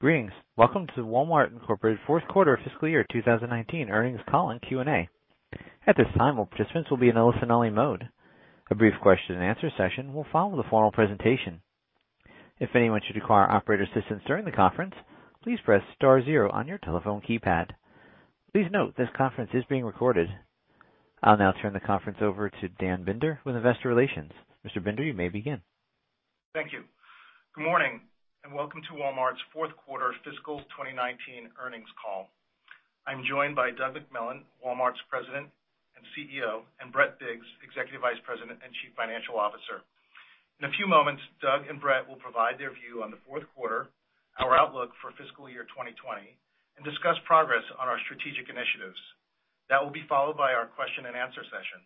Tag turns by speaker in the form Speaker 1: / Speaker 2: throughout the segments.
Speaker 1: Greetings. Welcome to Walmart Inc. fourth quarter fiscal year 2019 Earnings Call and Q&A. At this time, all participants will be in a listen-only mode. A brief question and answer session will follow the formal presentation. If anyone should require operator assistance during the conference, please press star zero on your telephone keypad. Please note this conference is being recorded. I'll now turn the conference over to Dan Binder with Investor Relations. Mr. Binder, you may begin.
Speaker 2: Thank you. Good morning, and welcome to Walmart's fourth quarter fiscal 2019 earnings call. I'm joined by Doug McMillon, Walmart's President and CEO, and Brett Biggs, Executive Vice President and Chief Financial Officer. In a few moments, Doug and Brett will provide their view on the fourth quarter, our outlook for fiscal year 2020, and discuss progress on our strategic initiatives. That will be followed by our question and answer session.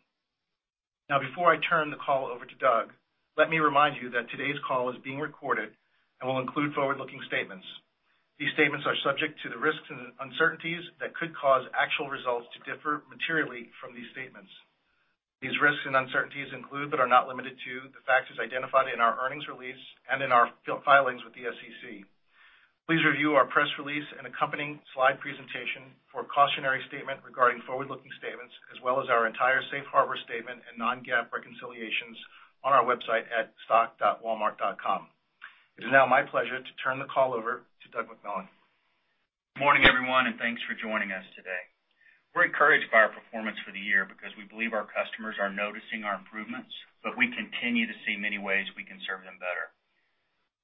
Speaker 2: Now, before I turn the call over to Doug, let me remind you that today's call is being recorded and will include forward-looking statements. These statements are subject to the risks and uncertainties that could cause actual results to differ materially from these statements. These risks and uncertainties include, but are not limited to, the factors identified in our earnings release and in our filings with the SEC. Please review our press release and accompanying slide presentation for a cautionary statement regarding forward-looking statements, as well as our entire safe harbor statement and non-GAAP reconciliations on our website at stock.walmart.com. It is now my pleasure to turn the call over to Doug McMillon.
Speaker 3: Morning, everyone, and thanks for joining us today. We're encouraged by our performance for the year because we believe our customers are noticing our improvements, but we continue to see many ways we can serve them better.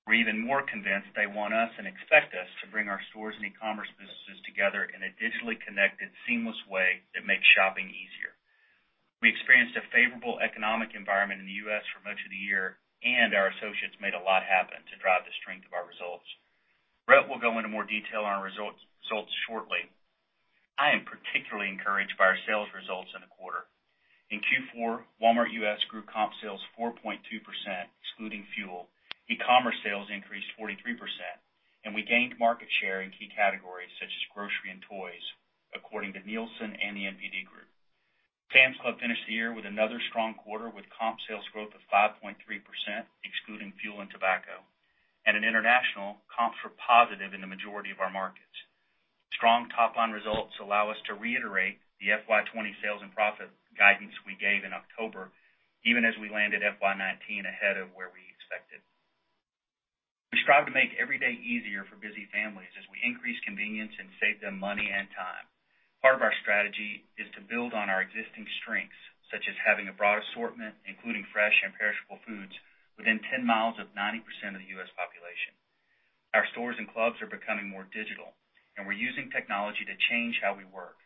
Speaker 3: We're even more convinced they want us and expect us to bring our stores and e-commerce businesses together in a digitally connected, seamless way that makes shopping easier. We experienced a favorable economic environment in the U.S. for much of the year, and our associates made a lot happen to drive the strength of our results. Brett will go into more detail on our results shortly. I am particularly encouraged by our sales results in the quarter. In Q4, Walmart U.S. grew comp sales 4.2%, excluding fuel. E-commerce sales increased 43%, and we gained market share in key categories such as grocery and toys, according to Nielsen and The NPD Group. Sam's Club finished the year with another strong quarter with comp sales growth of 5.3%, excluding fuel and tobacco. In international, comps were positive in the majority of our markets. Strong top-line results allow us to reiterate the FY 2020 sales and profit guidance we gave in October, even as we landed FY 2019 ahead of where we expected. We strive to make every day easier for busy families as we increase convenience and save them money and time. Part of our strategy is to build on our existing strengths, such as having a broad assortment, including fresh and perishable foods, within 10 miles of 90% of the U.S. population. Our stores and clubs are becoming more digital, and we're using technology to change how we work.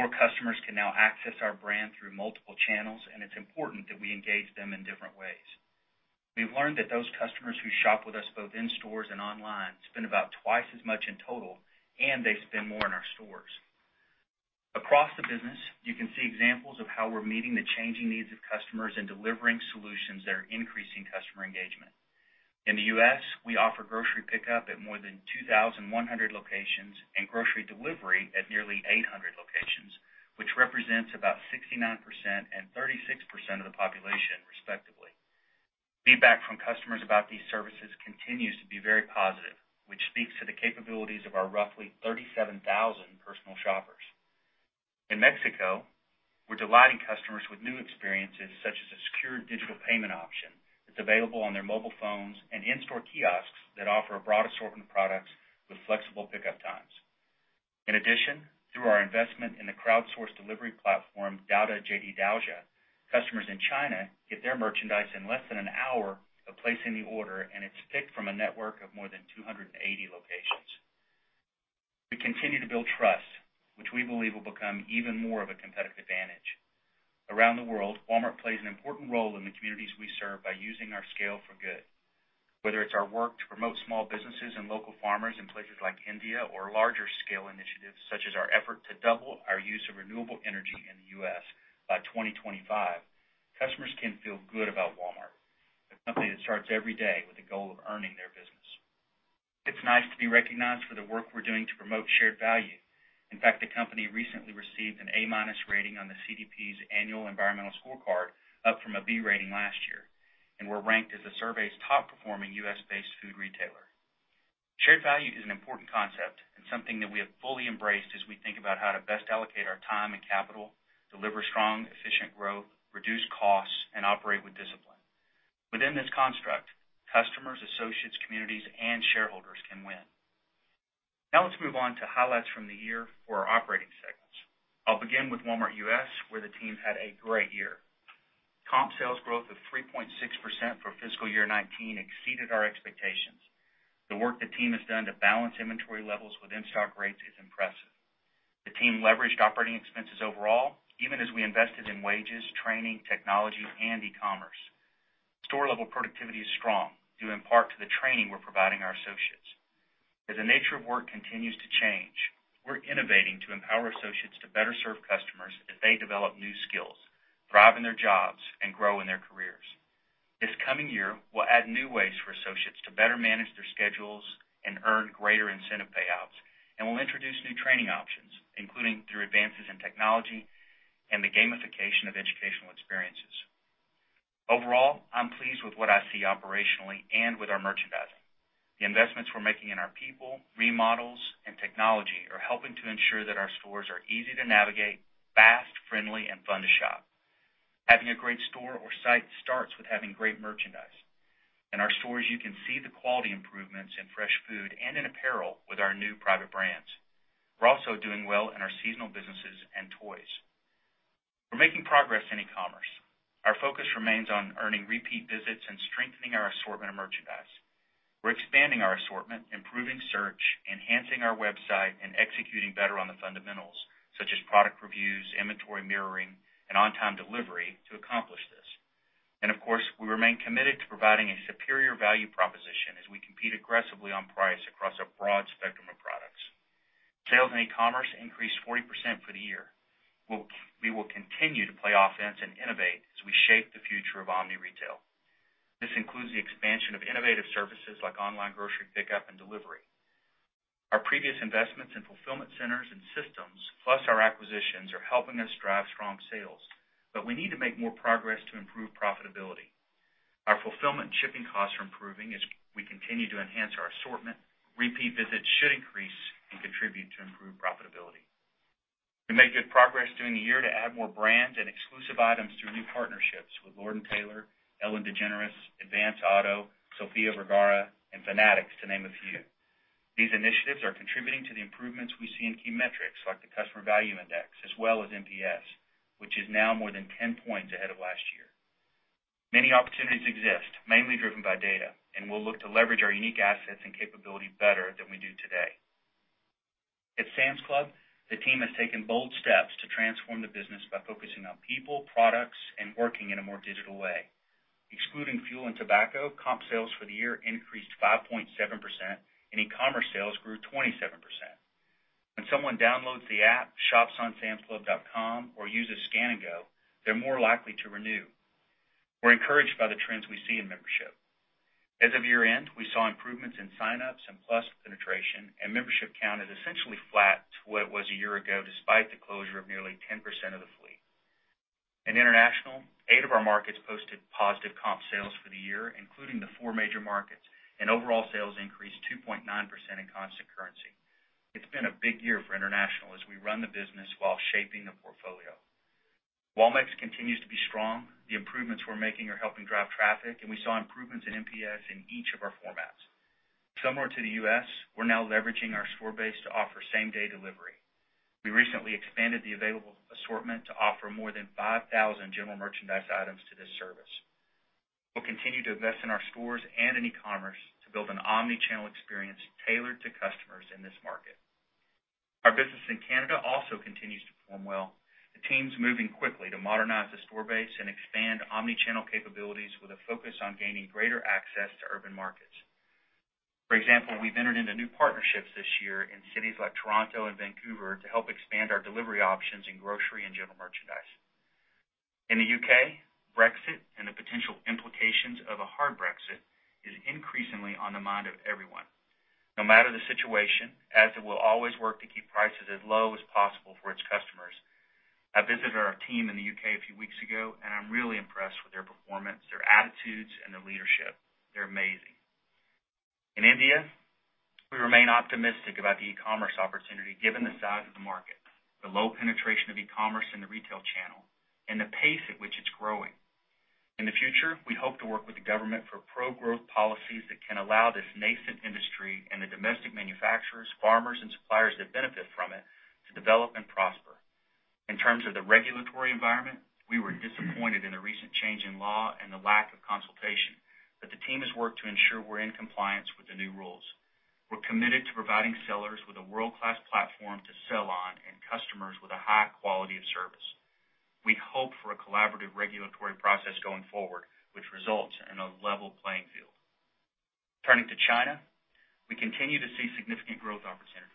Speaker 3: More customers can now access our brand through multiple channels, and it's important that we engage them in different ways. We've learned that those customers who shop with us both in stores and online spend about twice as much in total, and they spend more in our stores. Across the business, you can see examples of how we're meeting the changing needs of customers and delivering solutions that are increasing customer engagement. In the U.S., we offer grocery pickup at more than 2,100 locations and grocery delivery at nearly 800 locations, which represents about 69% and 36% of the population, respectively. Feedback from customers about these services continues to be very positive, which speaks to the capabilities of our roughly 37,000 personal shoppers. In Mexico, we're delighting customers with new experiences, such as a secure digital payment option that's available on their mobile phones and in-store kiosks that offer a broad assortment of products with flexible pickup times. In addition, through our investment in the crowdsourced delivery platform, Dada-JD Daojia, customers in China get their merchandise in less than an hour of placing the order, and it's picked from a network of more than 280 locations. We continue to build trust, which we believe will become even more of a competitive advantage. Around the world, Walmart plays an important role in the communities we serve by using our scale for good. Whether it's our work to promote small businesses and local farmers in places like India or larger scale initiatives, such as our effort to double our use of renewable energy in the U.S. by 2025, customers can feel good about Walmart, a company that starts every day with a goal of earning their business. It's nice to be recognized for the work we're doing to promote shared value. The company recently received an A-minus rating on the CDP's annual environmental scorecard, up from a B rating last year, and we're ranked as the survey's top-performing U.S.-based food retailer. Shared value is an important concept and something that we have fully embraced as we think about how to best allocate our time and capital, deliver strong, efficient growth, reduce costs, and operate with discipline. Within this construct, customers, associates, communities, and shareholders can win. Let's move on to highlights from the year for our operating segments. I'll begin with Walmart U.S., where the team had a great year. Comp sales growth of 3.6% for fiscal year 2019 exceeded our expectations. The work the team has done to balance inventory levels with in-stock rates is impressive. The team leveraged operating expenses overall, even as we invested in wages, training, technology, and e-commerce. Store-level productivity is strong, due in part to the training we're providing our associates. As the nature of work continues to change, we're innovating to empower associates to better serve customers as they develop new skills, thrive in their jobs, and grow in their careers. This coming year, we'll add new ways for associates to better manage their schedules and earn greater incentive payouts. We'll introduce new training options, including through advances in technology and the gamification of educational experiences. Overall, I'm pleased with what I see operationally and with our merchandising. The investments we're making in our people, remodels, and technology are helping to ensure that our stores are easy to navigate, fast, friendly, and fun to shop. Having a great store or site starts with having great merchandise. In our stores, you can see the quality improvements in fresh food and in apparel with our new private brands. We're also doing well in our seasonal businesses and toys. We're making progress in e-commerce. Our focus remains on earning repeat visits and strengthening our assortment of merchandise. We're expanding our assortment, improving search, enhancing our website, and executing better on the fundamentals, such as product reviews, inventory mirroring, and on-time delivery, to accomplish this. Of course, we remain committed to providing a superior value proposition as we compete aggressively on price across a broad spectrum of products. Sales in e-commerce increased 40% for the year. We will continue to play offense and innovate as we shape the future of omni-retail. This includes the expansion of innovative services like online grocery pickup and delivery. Our previous investments in fulfillment centers and systems, plus our acquisitions, are helping us drive strong sales. We need to make more progress to improve profitability. Our fulfillment and shipping costs are improving. As we continue to enhance our assortment, repeat visits should increase and contribute to improved profitability. We made good progress during the year to add more brand and exclusive items through new partnerships with Lord & Taylor, Ellen DeGeneres, Advance Auto, Sofía Vergara, and Fanatics, to name a few. These initiatives are contributing to the improvements we see in key metrics like the customer value index, as well as NPS, which is now more than 10 points ahead of last year. Many opportunities exist, mainly driven by data. We'll look to leverage our unique assets and capability better than we do today. At Sam's Club, the team has taken bold steps to transform the business by focusing on people, products, and working in a more digital way. Excluding fuel and tobacco, comp sales for the year increased 5.7%, and e-commerce sales grew 27%. When someone downloads the app, shops on samsclub.com, or uses Scan & Go, they're more likely to renew. We're encouraged by the trends we see in membership. As of year-end, we saw improvements in sign-ups and Plus penetration. Membership count is essentially flat to what it was a year ago, despite the closure of nearly 10% of the fleet. In international, eight of our markets posted positive comp sales for the year, including the four major markets. Overall sales increased 2.9% in constant currency. It's been a big year for international as we run the business while shaping the portfolio. Walmex continues to be strong. The improvements we're making are helping drive traffic. We saw improvements in NPS in each of our formats. Similar to the U.S., we're now leveraging our store base to offer same-day delivery. We recently expanded the available assortment to offer more than 5,000 general merchandise items to this service. We'll continue to invest in our stores and in e-commerce to build an omni-channel experience tailored to customers in this market. Our business in Canada also continues to perform well. The team's moving quickly to modernize the store base and expand omni-channel capabilities with a focus on gaining greater access to urban markets. For example, we've entered into new partnerships this year in cities like Toronto and Vancouver to help expand our delivery options in grocery and general merchandise. In the U.K., Brexit and the potential implications of a hard Brexit is increasingly on the mind of everyone. No matter the situation, Asda will always work to keep prices as low as possible for its customers. I visited our team in the U.K. a few weeks ago, and I'm really impressed with their performance, their attitudes, and their leadership. They're amazing. In India, we remain optimistic about the e-commerce opportunity given the size of the market, the low penetration of e-commerce in the retail channel, and the pace at which it's growing. In the future, we hope to work with the government for pro-growth policies that can allow this nascent industry and the domestic manufacturers, farmers, and suppliers that benefit from it to develop and prosper. In terms of the regulatory environment, we were disappointed in the recent change in law and the lack of consultation, the team has worked to ensure we're in compliance with the new rules. We're committed to providing sellers with a world-class platform to sell on and customers with a high quality of service. We hope for a collaborative regulatory process going forward, which results in a level playing field. Turning to China, we continue to see significant growth opportunities.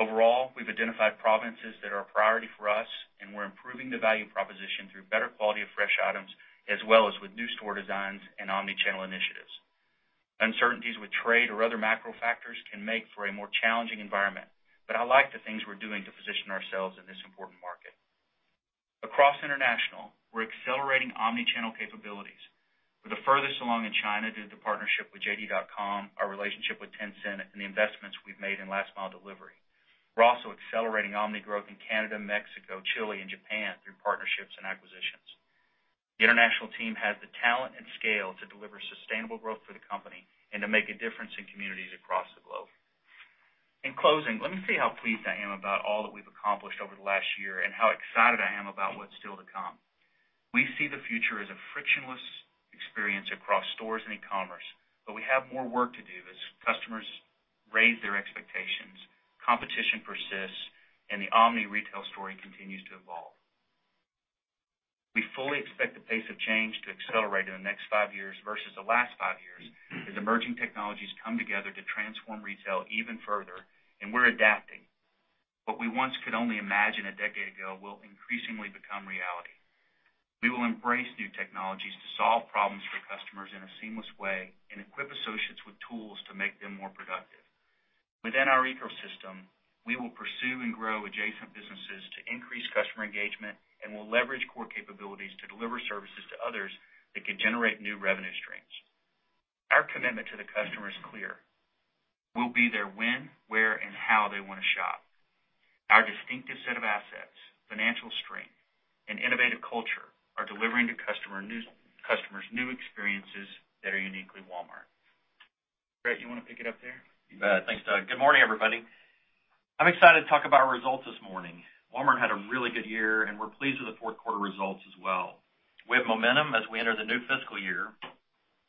Speaker 3: Overall, we've identified provinces that are a priority for us, and we're improving the value proposition through better quality of fresh items, as well as with new store designs and omni-channel initiatives. Uncertainties with trade or other macro factors can make for a more challenging environment, but I like the things we're doing to position ourselves in this important market. Across international, we're accelerating omni-channel capabilities. We're the furthest along in China due to the partnership with JD.com, our relationship with Tencent, and the investments we've made in last mile delivery. We're also accelerating omni growth in Canada, Mexico, Chile, and Japan through partnerships and acquisitions. The international team has the talent and scale to deliver sustainable growth for the company and to make a difference in communities across the globe. In closing, let me say how pleased I am about all that we've accomplished over the last year and how excited I am about what's still to come. We see the future as a frictionless experience across stores and e-commerce, we have more work to do as customers raise their expectations, competition persists, and the omni-retail story continues to evolve. We fully expect the pace of change to accelerate in the next five years versus the last five years as emerging technologies come together to transform retail even further, we're adapting. What we once could only imagine a decade ago will increasingly become reality. We will embrace new technologies to solve problems for customers in a seamless way and tools to make them more productive. Within our ecosystem, we will pursue and grow adjacent businesses to increase customer engagement and will leverage core capabilities to deliver services to others that could generate new revenue streams. Our commitment to the customer is clear. We'll be there when, where, and how they want to shop. Our distinctive set of assets, financial strength, and innovative culture are delivering to customers new experiences that are uniquely Walmart. Brett, you want to pick it up there?
Speaker 4: You bet. Thanks, Doug. Good morning, everybody. I'm excited to talk about our results this morning. Walmart had a really good year, and we're pleased with the fourth quarter results as well. We have momentum as we enter the new fiscal year,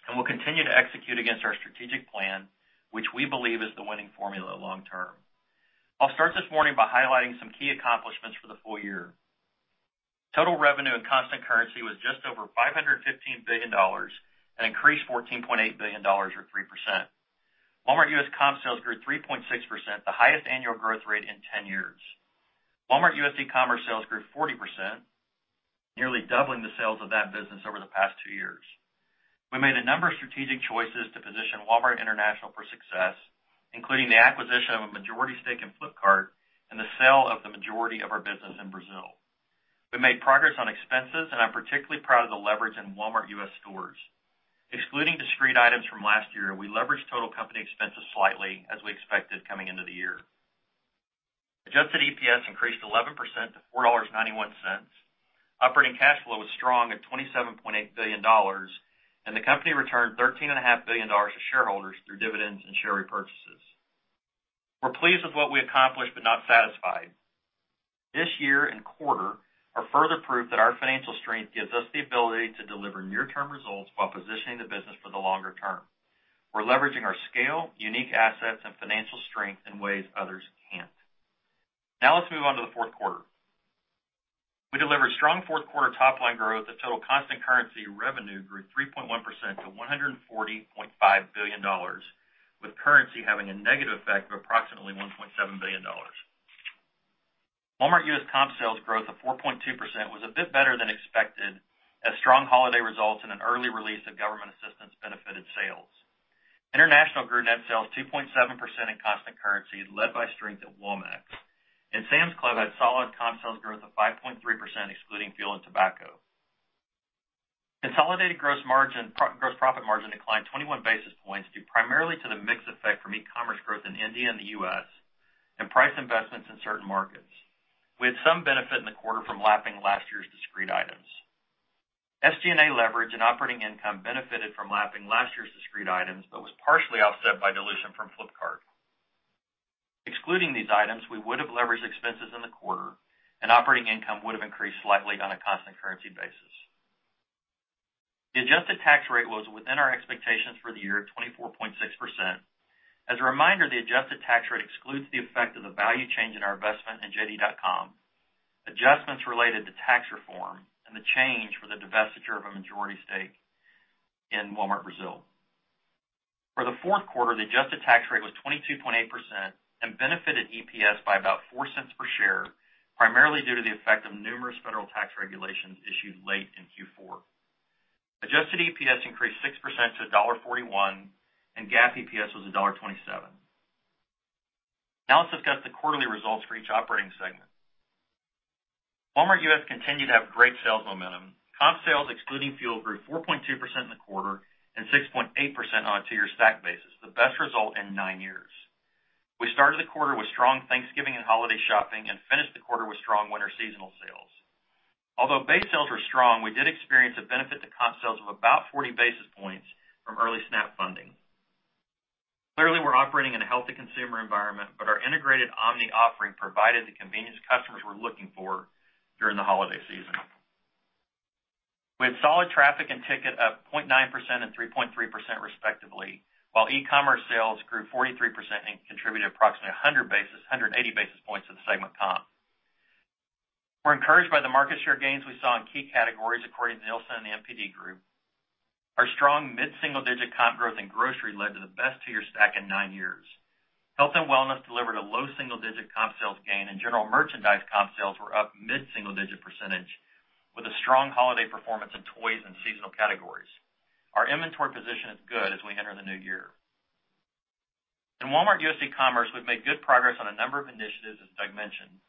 Speaker 4: and we'll continue to execute against our strategic plan, which we believe is the winning formula long term. I'll start this morning by highlighting some key accomplishments for the full year. Total revenue and constant currency was just over $515 billion and increased $14.8 billion or 3%. Walmart U.S. comp sales grew 3.6%, the highest annual growth rate in 10 years. Walmart U.S. eCommerce sales grew 40%, nearly doubling the sales of that business over the past two years. We made a number of strategic choices to position Walmart International for success, including the acquisition of a majority stake in Flipkart and the sale of the majority of our business in Brazil. We made progress on expenses, and I'm particularly proud of the leverage in Walmart U.S. stores. Excluding discrete items from last year, we leveraged total company expenses slightly as we expected coming into the year. Adjusted EPS increased 11% to $4.91. Operating cash flow was strong at $27.8 billion, and the company returned $13.5 billion to shareholders through dividends and share repurchases. We're pleased with what we accomplished, but not satisfied. This year and quarter are further proof that our financial strength gives us the ability to deliver near-term results while positioning the business for the longer term. We're leveraging our scale, unique assets, and financial strength in ways others can't. Let's move on to the fourth quarter. We delivered strong fourth quarter top-line growth as total constant currency revenue grew 3.1% to $140.5 billion, with currency having a negative effect of approximately $1.7 billion. Walmart U.S. comp sales growth of 4.2% was a bit better than expected as strong holiday results and an early release of government assistance benefited sales. International grew net sales 2.7% in constant currency, led by strength at Walmex. Sam's Club had solid comp sales growth of 5.3%, excluding fuel and tobacco. Consolidated gross profit margin declined 21 basis points due primarily to the mix effect from eCommerce growth in India and the U.S. and price investments in certain markets. We had some benefit in the quarter from lapping last year's discrete items. SG&A leverage and operating income benefited from lapping last year's discrete items, but was partially offset by dilution from Flipkart. Excluding these items, we would have leveraged expenses in the quarter and operating income would have increased slightly on a constant currency basis. The adjusted tax rate was within our expectations for the year at 24.6%. As a reminder, the adjusted tax rate excludes the effect of the value change in our investment in JD.com, adjustments related to tax reform, and the change for the divestiture of a majority stake in Walmart Brazil. For the fourth quarter, the adjusted tax rate was 22.8% and benefited EPS by about $0.04 per share, primarily due to the effect of numerous federal tax regulations issued late in Q4. Adjusted EPS increased 6% to $1.41, and GAAP EPS was $1.27. Now let's discuss the quarterly results for each operating segment. Walmart U.S. continued to have great sales momentum. Comp sales excluding fuel grew 4.2% in the quarter and 6.8% on a two-year stack basis, the best result in nine years. We started the quarter with strong Thanksgiving and holiday shopping and finished the quarter with strong winter seasonal sales. Although base sales were strong, we did experience a benefit to comp sales of about 40 basis points from early SNAP funding. Clearly, we're operating in a healthy consumer environment, but our integrated omni offering provided the convenience customers were looking for during the holiday season. We had solid traffic and ticket up 0.9% and 3.3% respectively, while eCommerce sales grew 43% and contributed approximately 180 basis points to the segment comp. We're encouraged by the market share gains we saw in key categories according to Nielsen and The NPD Group. Our strong mid-single-digit comp growth in grocery led to the best two-year stack in nine years. Health and wellness delivered a low single-digit comp sales gain, and general merchandise comp sales were up mid-single-digit percentage with a strong holiday performance in toys and seasonal categories. Our inventory position is good as we enter the new year. In Walmart U.S. eCommerce, we've made good progress on a number of initiatives, as Doug mentioned.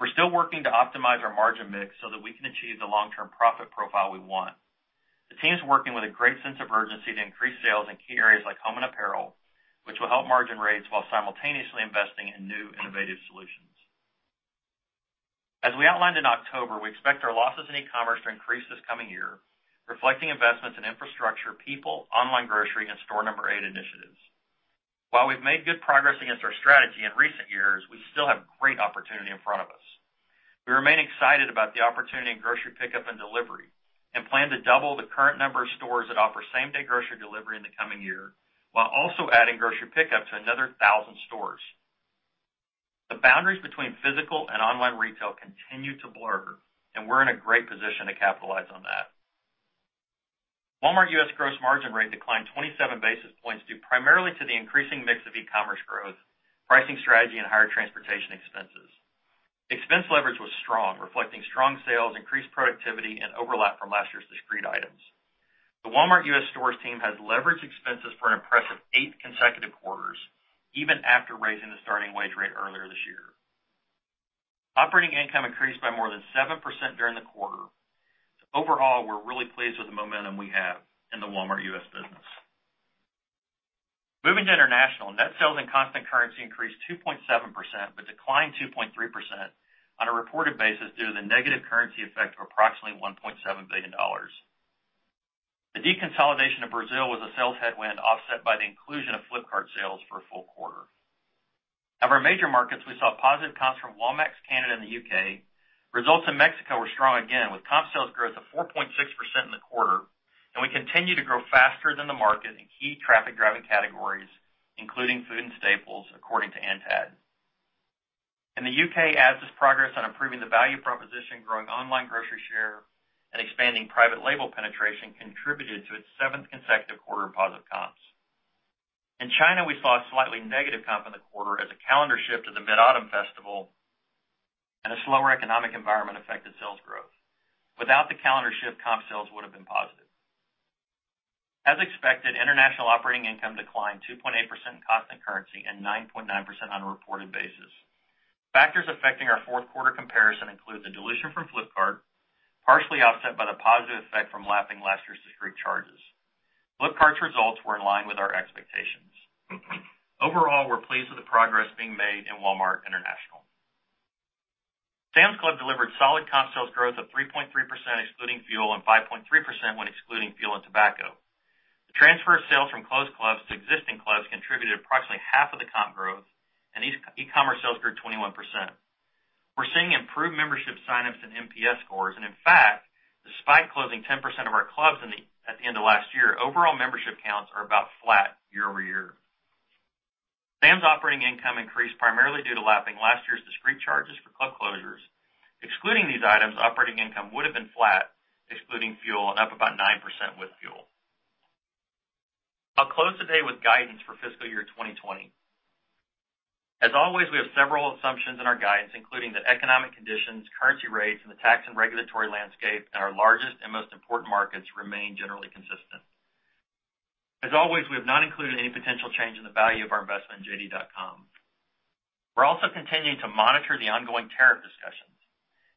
Speaker 4: We're still working to optimize our margin mix so that we can achieve the long-term profit profile we want. The team's working with a great sense of urgency to increase sales in key areas like home and apparel, which will help margin rates while simultaneously investing in new innovative solutions. As we outlined in October, we expect our losses in eCommerce to increase this coming year, reflecting investments in infrastructure, people, online grocery, and Store No. 8 initiatives. While we've made good progress against our strategy in recent years, we still have great opportunity in front of us. We remain excited about the opportunity in grocery pickup and delivery and plan to double the current number of stores that offer same-day grocery delivery in the coming year while also adding grocery pickup to another 1,000 stores. The boundaries between physical and online retail continue to blur, and we're in a great position to capitalize on that. Walmart U.S. gross margin rate declined 27 basis points, due primarily to the increasing mix of eCommerce growth, pricing strategy, and higher transportation expenses. Expense leverage was strong, reflecting strong sales, increased productivity, and overlap from last year's discrete items. The Walmart U.S. stores team has leveraged expenses for an impressive eight consecutive quarters, even after raising the starting wage rate earlier this year. Operating income increased by more than 7% during the quarter. Overall, we're really pleased with the momentum we have in the Walmart U.S. business. Moving to international. Net sales in constant currency increased 2.7%, but declined 2.3% on a reported basis due to the negative currency effect of approximately $1.7 billion. The deconsolidation of Brazil was a sales headwind, offset by the inclusion of Flipkart sales for a full quarter. Of our major markets, we saw positive comps from Walmex, Canada, and the U.K. Results in Mexico were strong again, with comp sales growth of 4.6% in the quarter, and we continue to grow faster than the market in key traffic-driving categories, including food and staples, according to ANTAD. In the U.K., Asda's progress on improving the value proposition, growing online grocery share, and expanding private label penetration contributed to its seventh consecutive quarter of positive comps. In China, we saw a slightly negative comp in the quarter as a calendar shift to the Mid-Autumn Festival and a slower economic environment affected sales growth. Without the calendar shift, comp sales would've been positive. As expected, international operating income declined 2.8% in constant currency and 9.9% on a reported basis. Factors affecting our fourth quarter comparison include the dilution from Flipkart, partially offset by the positive effect from lapping last year's discrete charges. Flipkart's results were in line with our expectations. Overall, we're pleased with the progress being made in Walmart International. Sam's Club delivered solid comp sales growth of 3.3% excluding fuel and 5.3% when excluding fuel and tobacco. The transfer of sales from closed clubs to existing clubs contributed approximately half of the comp growth and e-commerce sales grew 21%. We're seeing improved membership sign-ups and NPS scores, and in fact, despite closing 10% of our clubs at the end of last year, overall membership counts are about flat year-over-year. Sam's operating income increased primarily due to lapping last year's discrete charges for club closures. Excluding these items, operating income would've been flat excluding fuel and up about 9% with fuel. I'll close the day with guidance for fiscal year 2020. As always, we have several assumptions in our guidance, including the economic conditions, currency rates, and the tax and regulatory landscape in our largest and most important markets remain generally consistent. As always, we have not included any potential change in the value of our investment in jd.com. We're also continuing to monitor the ongoing tariff discussions.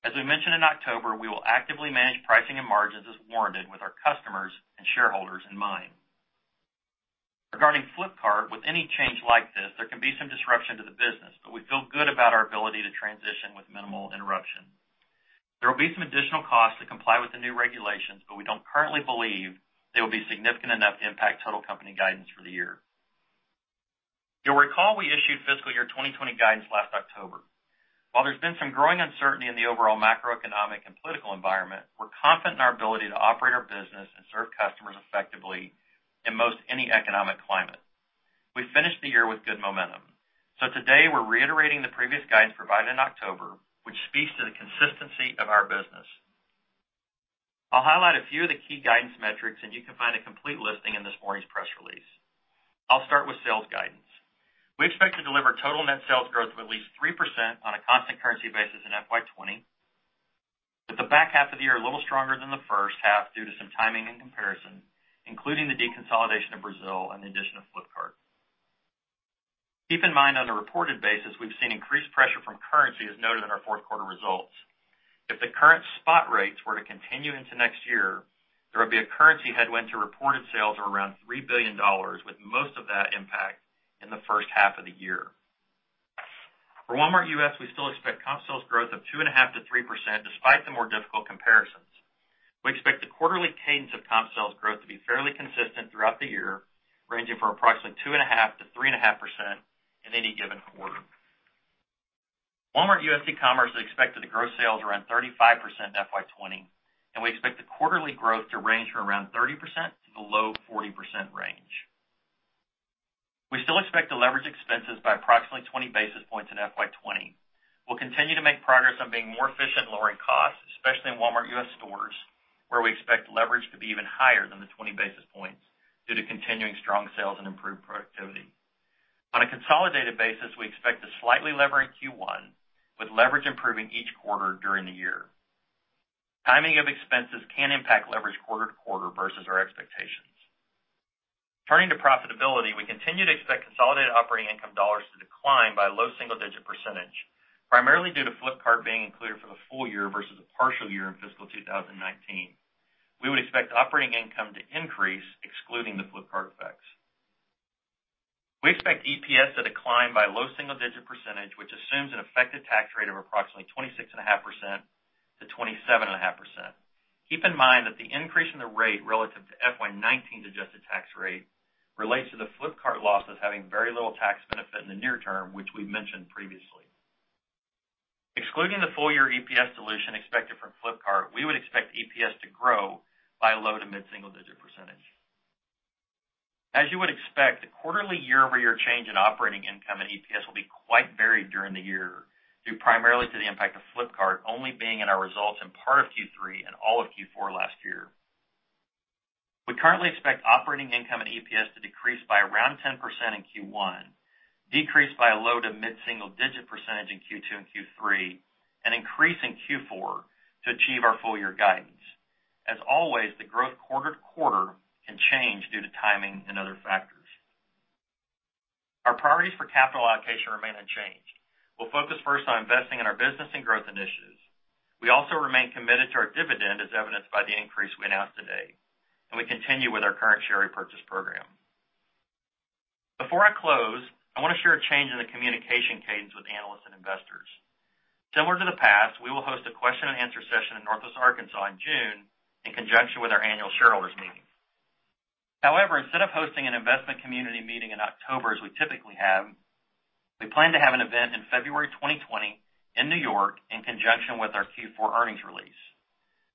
Speaker 4: As we mentioned in October, we will actively manage pricing and margins as warranted with our customers and shareholders in mind. Regarding Flipkart, with any change like this, there can be some disruption to the business, but we feel good about our ability to transition with minimal interruption. There will be some additional costs to comply with the new regulations, but we don't currently believe they will be significant enough to impact total company guidance for the year. You'll recall we issued fiscal year 2020 guidance last October. While there's been some growing uncertainty in the overall macroeconomic and political environment, we're confident in our ability to operate our business and serve customers effectively in most any economic climate. We finished the year with good momentum. Today we're reiterating the previous guidance provided in October, which speaks to the consistency of our business. I'll highlight a few of the key guidance metrics, and you can find a complete listing in this morning's press release. I'll start with sales guidance. We expect to deliver total net sales growth of at least 3% on a constant currency basis in FY 2020, with the back half of the year a little stronger than the first half due to some timing and comparison, including the deconsolidation of Brazil and the addition of Flipkart. Keep in mind, on a reported basis, we've seen increased pressure from currency, as noted in our fourth quarter results. If the current spot rates were to continue into next year, there would be a currency headwind to reported sales of around $3 billion, with most of that impact in the first half of the year. For Walmart U.S., we still expect comp sales growth of 2.5%-3%, despite the more difficult comparisons. We expect the quarterly cadence of comp sales growth to be fairly consistent throughout the year, ranging from approximately 2.5%-3.5% in any given quarter. Walmart U.S. e-commerce is expected to grow sales around 35% in FY 2020, and we expect the quarterly growth to range from around 30% to the low 40% range. We still expect to leverage expenses by approximately 20 basis points in FY 2020. We'll continue to make progress on being more efficient and lowering costs, especially in Walmart U.S. stores, where we expect leverage to be even higher than the 20 basis points due to continuing strong sales and improved productivity. On a consolidated basis, we expect to slightly lever in Q1 with leverage improving each quarter during the year. Timing of expenses can impact leverage quarter to quarter versus our expectations. Turning to profitability, we continue to expect consolidated operating income dollars to decline by a low single-digit percentage, primarily due to Flipkart being included for the full year versus a partial year in fiscal 2019. We would expect operating income to increase excluding the Flipkart effects. We expect EPS to decline by a low single-digit percentage, which assumes an effective tax rate of approximately 26.5%-27.5%. Keep in mind that the increase in the rate relative to FY 2019's adjusted tax rate relates to the Flipkart losses having very little tax benefit in the near term, which we've mentioned previously. Excluding the full-year EPS dilution expected from Flipkart, we would expect EPS to grow by a low to mid single-digit percentage. As you would expect, the quarterly year-over-year change in operating income and EPS will be quite varied during the year due primarily to the impact of Flipkart only being in our results in part of Q3 and all of Q4 last year. We currently expect operating income and EPS to decrease by around 10% in Q1, decrease by a low to mid-single digit percentage in Q2 and Q3, and increase in Q4 to achieve our full-year guidance. As always, the growth quarter to quarter can change due to timing and other factors. Our priorities for capital allocation remain unchanged. We'll focus first on investing in our business and growth initiatives. We also remain committed to our dividend, as evidenced by the increase we announced today, and we continue with our current share repurchase program. Before I close, I want to share a change in the communication cadence with analysts and investors. Similar to the past, we will host a question and answer session in Northwest Arkansas in June in conjunction with our annual shareholders meeting. However, instead of hosting an investment community meeting in October as we typically have, we plan to have an event in February 2020 in New York in conjunction with our Q4 earnings release.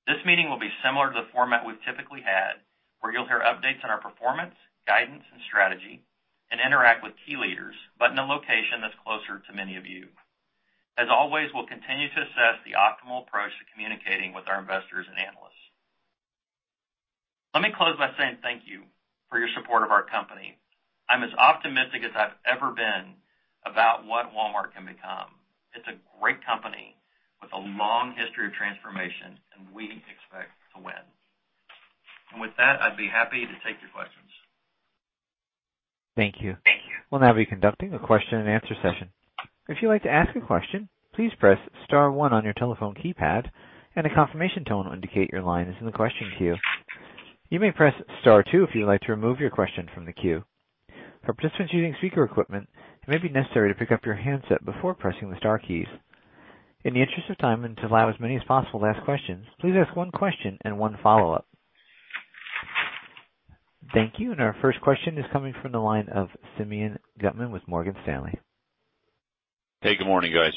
Speaker 4: This meeting will be similar to the format we've typically had, where you'll hear updates on our performance, guidance, and strategy and interact with key leaders, but in a location that's closer to many of you. As always, we'll continue to assess the optimal approach to communicating with our investors and analysts. Let me close by saying thank you for your support of our company. I'm as optimistic as I've ever been about what Walmart can become. It's a great company with a long history of transformation, and we expect to win. With that, I'd be happy to take your questions.
Speaker 1: Thank you.
Speaker 4: Thank you.
Speaker 1: We'll now be conducting a question and answer session. If you'd like to ask a question, please press *1 on your telephone keypad, and a confirmation tone will indicate your line is in the question queue. You may press *2 if you'd like to remove your question from the queue. For participants using speaker equipment, it may be necessary to pick up your handset before pressing the star keys. In the interest of time and to allow as many as possible to ask questions, please ask one question and one follow-up. Thank you. Our first question is coming from the line of Simeon Gutman with Morgan Stanley.
Speaker 5: Hey, good morning, guys.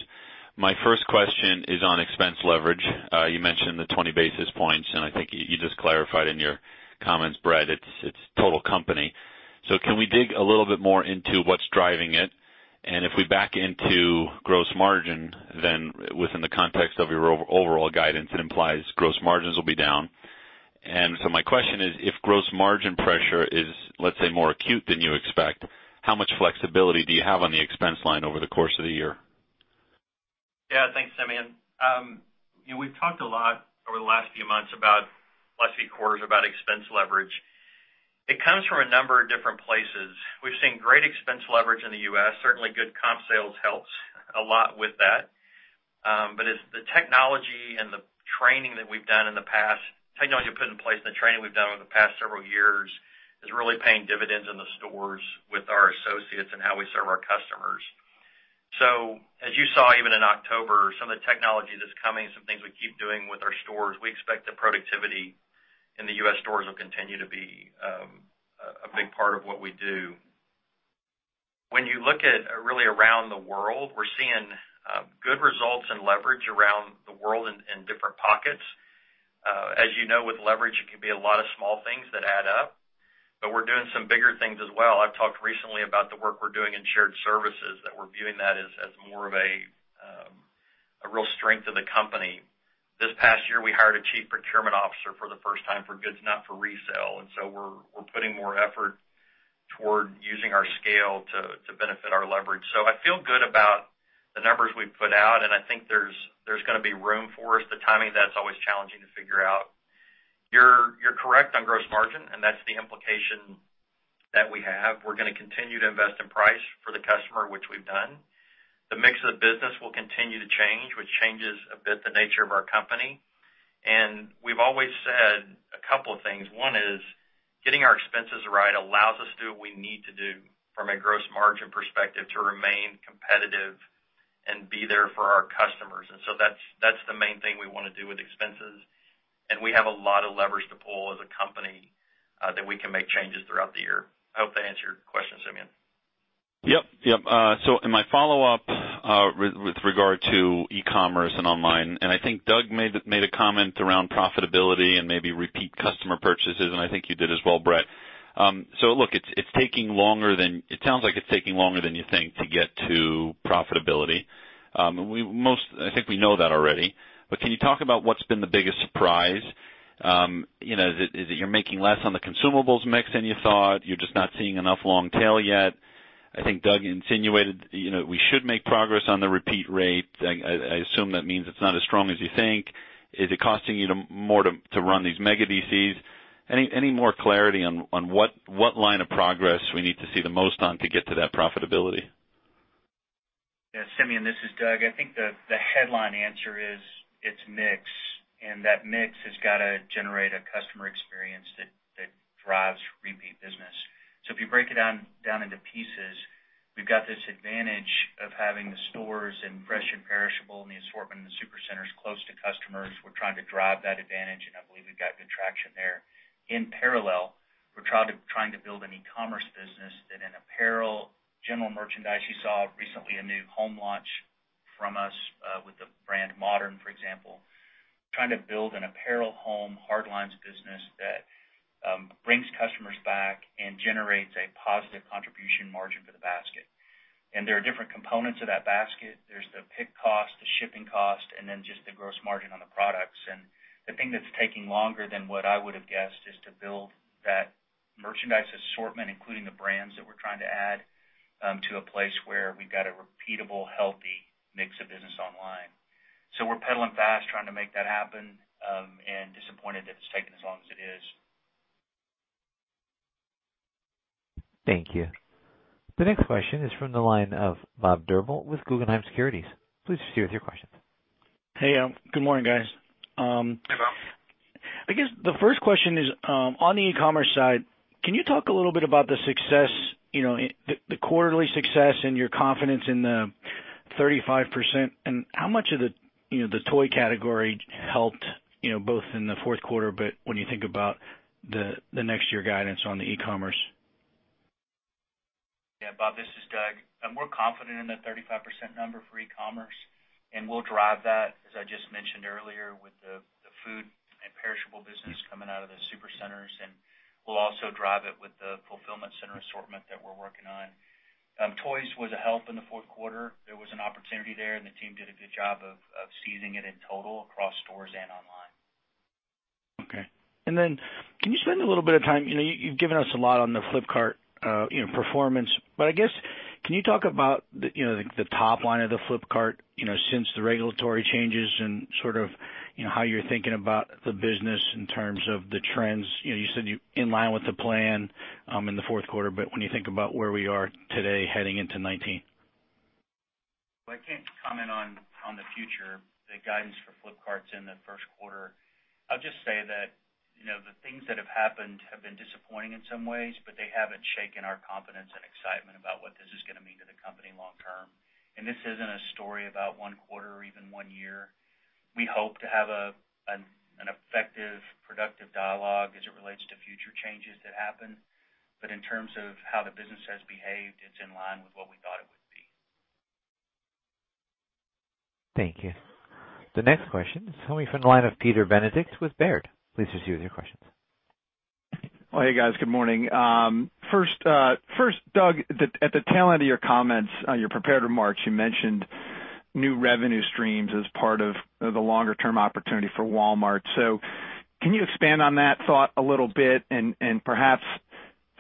Speaker 5: My first question is on expense leverage. You mentioned the 20 basis points, I think you just clarified in your comments, Brett, it's total company. Can we dig a little bit more into what's driving it? If we back into gross margin, within the context of your overall guidance, it implies gross margins will be down. My question is, if gross margin pressure is, let's say, more acute than you expect, how much flexibility do you have on the expense line over the course of the year?
Speaker 4: Yeah. Thanks, Simeon. We've talked a lot over the last few quarters, about expense leverage. It comes from a number of different places. We've seen great expense leverage in the U.S. Certainly, good comp sales helps a lot with that. It's the technology and the training that we've done in the past. Technology we've put in place and the training we've done over the past several years is really paying dividends in the stores with our associates and how we serve our customers. As you saw, even in October, some of the technology that's coming, some things we keep doing with our stores, we expect the productivity in the U.S. stores will continue to be a big part of what we do. When you look at really around the world, we're seeing good results in leverage around the world in different pockets. As you know, with leverage, it can be a lot of small things that add up, but we're doing some bigger things as well. I've talked recently about the work we're doing in shared services, that we're viewing that as more of a real strength of the company. This past year, we hired a chief procurement officer for the first time for goods not for resale. We're putting more effort toward using our scale to benefit our leverage. I feel good about the numbers we've put out, I think there's going to be room for us. The timing of that's always challenging to figure out. You're correct on gross margin, that's the implication that we have. We're going to continue to invest in price for the customer, which we've done. The mix of the business will continue to change, which changes a bit the nature of our company. We've always said a couple of things. One is getting our expenses right allows us to do what we need to do from a gross margin perspective to remain competitive and be there for our customers. That's the main thing we want to do with expenses. We have a lot of leverage to pull as a company that we can make changes throughout the year. I hope that answered your question, Simeon.
Speaker 5: Yep. In my follow-up, with regard to e-commerce and online, I think Doug made a comment around profitability and maybe repeat customer purchases, I think you did as well, Brett. Look, it sounds like it's taking longer than you think to get to profitability. I think we know that already. Can you talk about what's been the biggest surprise? Is it you're making less on the consumables mix than you thought? You're just not seeing enough long tail yet? I think Doug insinuated we should make progress on the repeat rate. I assume that means it's not as strong as you think. Is it costing you more to run these mega DCs? Any more clarity on what line of progress we need to see the most on to get to that profitability?
Speaker 3: Yeah, Simeon, this is Doug. I think the headline answer is it's mix, that mix has got to generate a customer experience that drives repeat business. If you break it down into pieces, we've got this advantage of having the stores and fresh and perishable and the assortment and the supercenters close to customers. We're trying to drive that advantage, I believe we've got good traction there. In parallel, we're trying to build an e-commerce business, an apparel general merchandise. You saw recently a new home launch from us with the brand MoDRN, for example. Trying to build an apparel home hard lines business that brings customers back and generates a positive contribution margin for the basket. There are different components of that basket. There's the pick cost, the shipping cost, then just the gross margin on the products. The thing that's taking longer than what I would have guessed is to build that merchandise assortment, including the brands that we're trying to add, to a place where we've got a repeatable, healthy mix of business online. We're pedaling fast, trying to make that happen, disappointed that it's taking as long as it is.
Speaker 1: Thank you. The next question is from the line of Bob Drbul with Guggenheim Securities. Please proceed with your questions.
Speaker 6: Hey. Good morning, guys.
Speaker 3: Hey, Bob.
Speaker 6: I guess the first question is, on the e-commerce side, can you talk a little bit about the success, the quarterly success and your confidence in the 35%? How much of the toy category helped both in the fourth quarter, but when you think about the next year guidance on the e-commerce?
Speaker 3: Yeah. Bob, this is Doug. We're confident in the 35% number for e-commerce, and we'll drive that, as I just mentioned earlier, with the food and perishable business coming out of the supercenters, and we'll also drive it with the fulfillment center assortment that we're working on. Toys was a help in the fourth quarter. There was an opportunity there, and the team did a good job of seizing it in total across stores and online.
Speaker 6: Okay. Can you spend a little bit of time, you've given us a lot on the Flipkart performance, but I guess, can you talk about the top line of the Flipkart since the regulatory changes and sort of how you're thinking about the business in terms of the trends? You said you're in line with the plan in the fourth quarter, but when you think about where we are today heading into 2019.
Speaker 3: Well, I can't comment on the future, the guidance for Flipkart in the first quarter. I'll just say that the things that have happened have been disappointing in some ways, but they haven't shaken our confidence and excitement about what this is going to mean to the company long term. This isn't a story about one quarter or even one year. We hope to have an effective, productive dialogue as it relates to future changes that happen. In terms of how the business has behaved, it's in line with what we thought it would be.
Speaker 1: Thank you. The next question is coming from the line of Peter Benedict with Baird. Please proceed with your questions.
Speaker 7: Oh, hey, guys. Good morning. First, Doug, at the tail end of your comments, your prepared remarks, you mentioned new revenue streams as part of the longer-term opportunity for Walmart. Can you expand on that thought a little bit and perhaps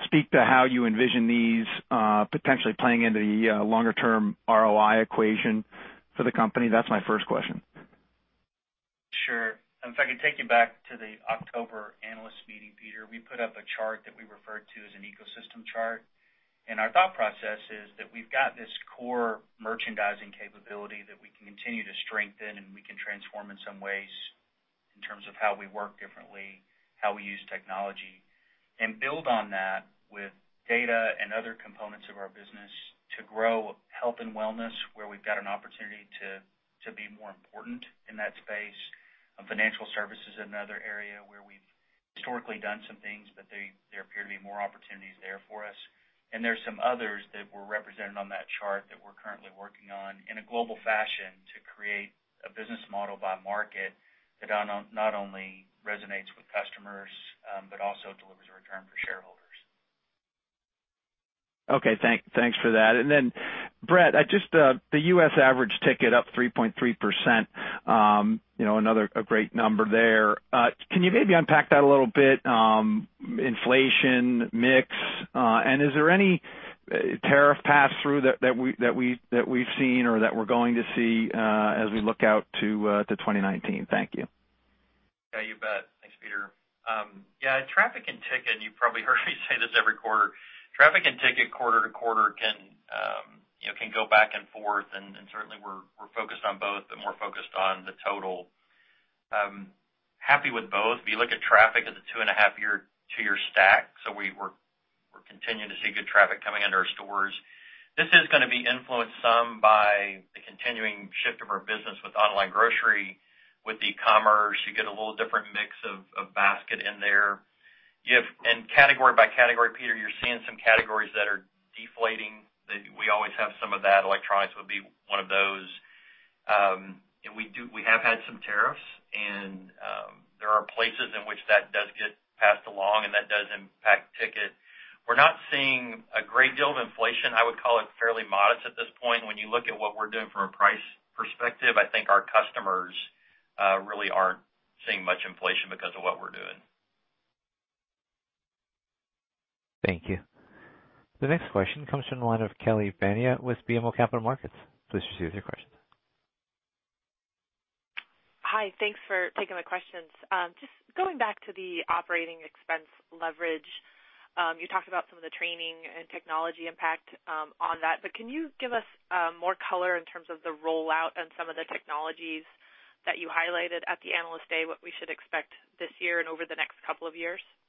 Speaker 7: speak to how you envision these potentially playing into the longer-term ROI equation for the company? That's my first question.
Speaker 3: Sure. If I could take you back to the October analyst meeting, Peter. We put up a chart that we referred to as an ecosystem chart, and our thought process is that we've got this core merchandising capability that we can continue to strengthen and we can transform in some ways in terms of how we work differently, how we use technology, and build on that with data and other components of our business to grow health and wellness, where we've got an opportunity to be more important in that space. Financial services is another area where we've historically done some things, but there appear to be more opportunities there for us. There's some others that were represented on that chart that we're currently working on in a global fashion to create a business model by market that not only resonates with customers but also delivers a return for shareholders.
Speaker 7: Okay. Thanks for that. Then, Brett, the U.S. average ticket up 3.3%. Another great number there. Can you maybe unpack that a little bit? Inflation, mix, and is there any tariff pass-through that we've seen or that we're going to see as we look out to 2019? Thank you.
Speaker 4: You bet. Thanks, Peter. Traffic and ticket, and you probably heard me say this every quarter. Traffic and ticket quarter-to-quarter can go back and forth, and certainly, we're focused on both, but more focused on the total. Happy with both. If you look at traffic at the 2.5 year, 2-year stack, we're continuing to see good traffic coming into our stores. This is going to be influenced some by the continuing shift of our business with online grocery. With e-commerce, you get a little different mix of basket in there. Category by category, Peter, you're seeing some categories that are deflating. We always have some of that. Electronics would be one of those. We have had some tariffs, and there are places in which that does get passed along and that does impact ticket. We're not seeing a great deal of inflation. I would call it fairly modest at this point. When you look at what we're doing from a price perspective, I think our customers really aren't seeing much inflation because of what we're doing.
Speaker 1: Thank you. The next question comes from the line of Kelly Bania with BMO Capital Markets. Please proceed with your question.
Speaker 8: Hi. Thanks for taking my questions. Just going back to the operating expense leverage. You talked about some of the training and technology impact on that. Can you give us more color in terms of the rollout and some of the technologies that you highlighted at the Analyst Day, what we should expect this year and over the next couple of years?
Speaker 3: Yeah,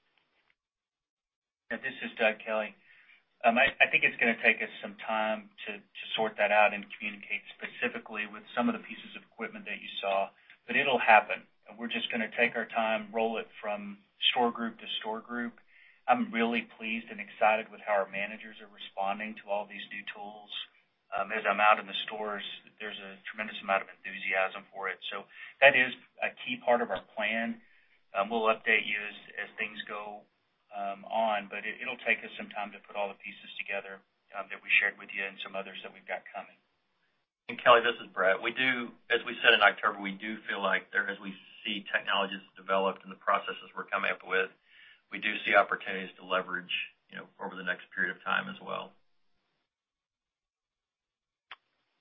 Speaker 3: this is Doug, Kelly. I think it's going to take us some time to sort that out and communicate specifically with some of the pieces of equipment that you saw, but it'll happen. We're just going to take our time, roll it from store group to store group. I'm really pleased and excited with how our managers are responding to all these new tools. As I'm out in the stores, there's a tremendous amount of enthusiasm for it. That is a key part of our plan. We'll update you as things go. It'll take us some time to put all the pieces together that we shared with you and some others that we've got coming.
Speaker 4: Kelly, this is Brett. As we said in October, we do feel like as we see technologies developed and the processes we're coming up with, we do see opportunities to leverage over the next period of time as well.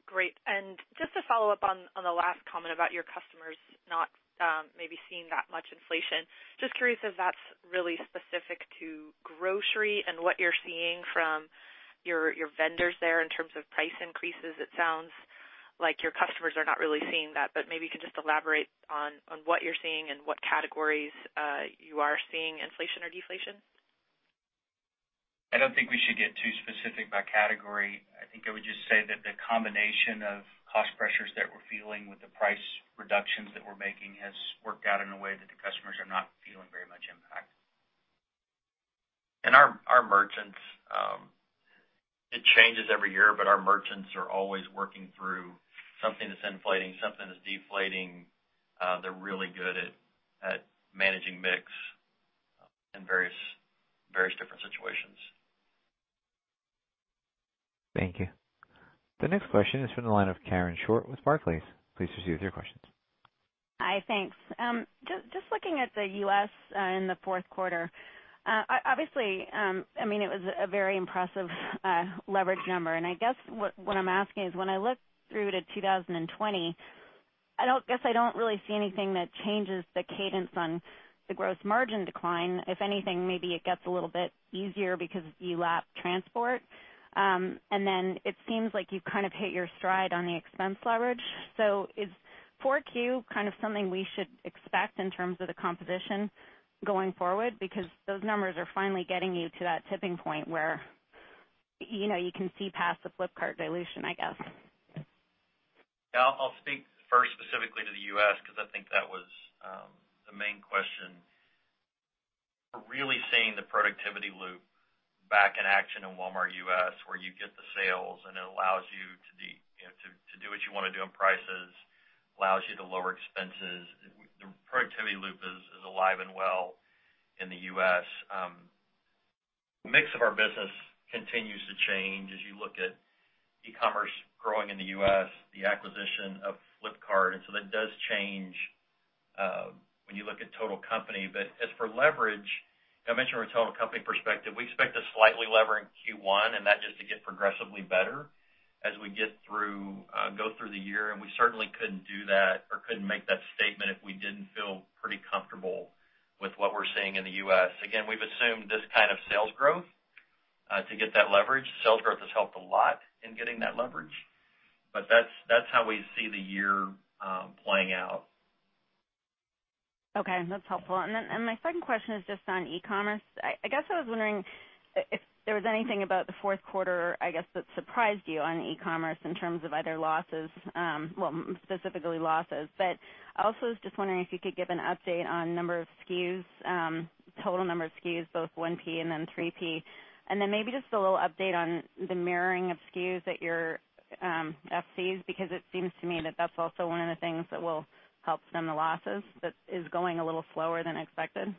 Speaker 8: Great. Just to follow up on the last comment about your customers not maybe seeing that much inflation. Just curious if that's really specific to grocery and what you're seeing from your vendors there in terms of price increases. It sounds like your customers are not really seeing that, but maybe you can just elaborate on what you're seeing and what categories you are seeing inflation or deflation.
Speaker 3: I don't think we should get too specific by category. I think I would just say that the combination of cost pressures that we're feeling with the price reductions that we're making has worked out in a way that the customers are not feeling very much impact.
Speaker 4: Our merchants, it changes every year, but our merchants are always working through something that's inflating, something that's deflating. They're really good at managing mix in various different situations.
Speaker 1: Thank you. The next question is from the line of Karen Short with Barclays. Please proceed with your questions.
Speaker 9: Hi, thanks. Just looking at the U.S. in the fourth quarter. Obviously, it was a very impressive leverage number. I guess what I'm asking is, when I look through to 2020, I guess I don't really see anything that changes the cadence on the gross margin decline. If anything, maybe it gets a little bit easier because you lap transport. Then it seems like you've kind of hit your stride on the expense leverage. So is 4Q kind of something we should expect in terms of the composition going forward? Because those numbers are finally getting you to that tipping point where you can see past the Flipkart dilution, I guess.
Speaker 4: I'll speak first specifically to the U.S., because I think that was the main question. We're really seeing the productivity loop back in action in Walmart U.S., where you get the sales and it allows you to do what you want to do on prices, allows you to lower expenses. The productivity loop is alive and well in the U.S. The mix of our business continues to change as you look at e-commerce growing in the U.S., the acquisition of Flipkart. So that does change when you look at total company. As for leverage, I mentioned our total company perspective. We expect to slightly lever in Q1, that just to get progressively better as we go through the year. We certainly couldn't do that or couldn't make that statement if we didn't feel pretty comfortable with what we're seeing in the U.S. We've assumed this kind of sales growth to get that leverage. Sales growth has helped a lot in getting that leverage, but that's how we see the year playing out.
Speaker 9: That's helpful. My second question is just on e-commerce. I guess I was wondering if there was anything about the fourth quarter, I guess, that surprised you on e-commerce in terms of either losses, well, specifically losses. I also was just wondering if you could give an update on number of SKUs, total number of SKUs, both 1P and then 3P. Then maybe just a little update on the mirroring of SKUs at your FCs, because it seems to me that that's also one of the things that will help stem the losses that is going a little slower than expected.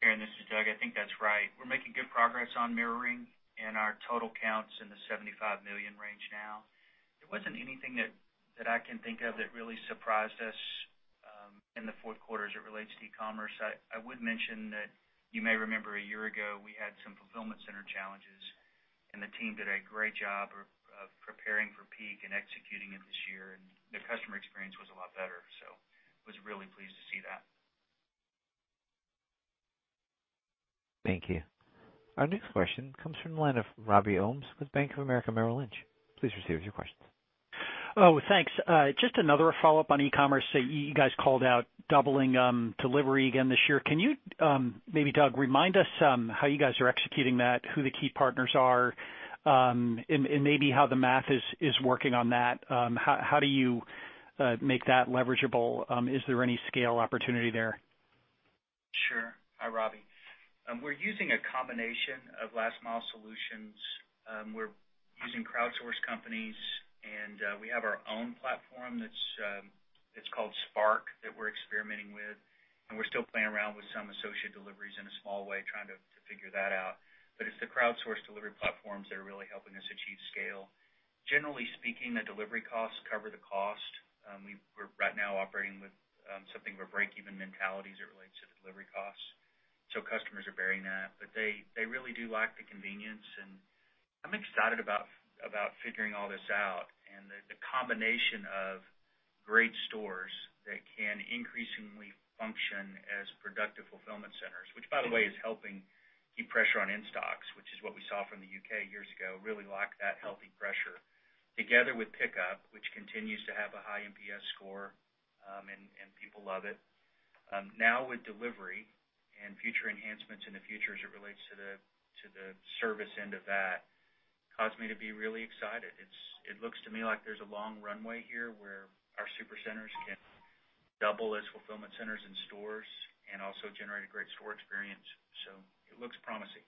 Speaker 3: Karen, this is Doug. I think that's right. We're making good progress on mirroring and our total count's in the 75 million range now. There wasn't anything that I can think of that really surprised us in the fourth quarter as it relates to e-commerce. I would mention that you may remember a year ago, we had some fulfillment center challenges, the team did a great job of preparing for peak and executing it this year. The customer experience was a lot better. Was really pleased to see that.
Speaker 1: Thank you. Our next question comes from the line of Robert Ohmes with Bank of America Merrill Lynch. Please proceed with your questions.
Speaker 10: Thanks. Just another follow-up on e-commerce. You guys called out doubling delivery again this year. Can you, maybe Doug, remind us how you guys are executing that, who the key partners are, and maybe how the math is working on that? How do you make that leverageable? Is there any scale opportunity there?
Speaker 3: Sure. Hi, Robbie. We're using a combination of last mile solutions. We're using crowdsourced companies, and we have our own platform that's called Spark that we're experimenting with. We're still playing around with some associate deliveries in a small way, trying to figure that out. It's the crowdsourced delivery platforms that are really helping us achieve scale. Generally speaking, the delivery costs cover the cost. We're right now operating with something of a break-even mentality as it relates to the delivery costs. Customers are bearing that. They really do like the convenience, and I'm excited about figuring all this out and the combination of great stores that can increasingly function as productive fulfillment centers. Which, by the way, is helping keep pressure on in-stocks, which is what we saw from the U.K. years ago. Really like that healthy pressure. Together with pickup, which continues to have a high NPS score, and people love it. Now with delivery and future enhancements in the future as it relates to the service end of that, cause me to be really excited. It looks to me like there's a long runway here where our supercenters can double as fulfillment centers and stores and also generate a great store experience. It looks promising.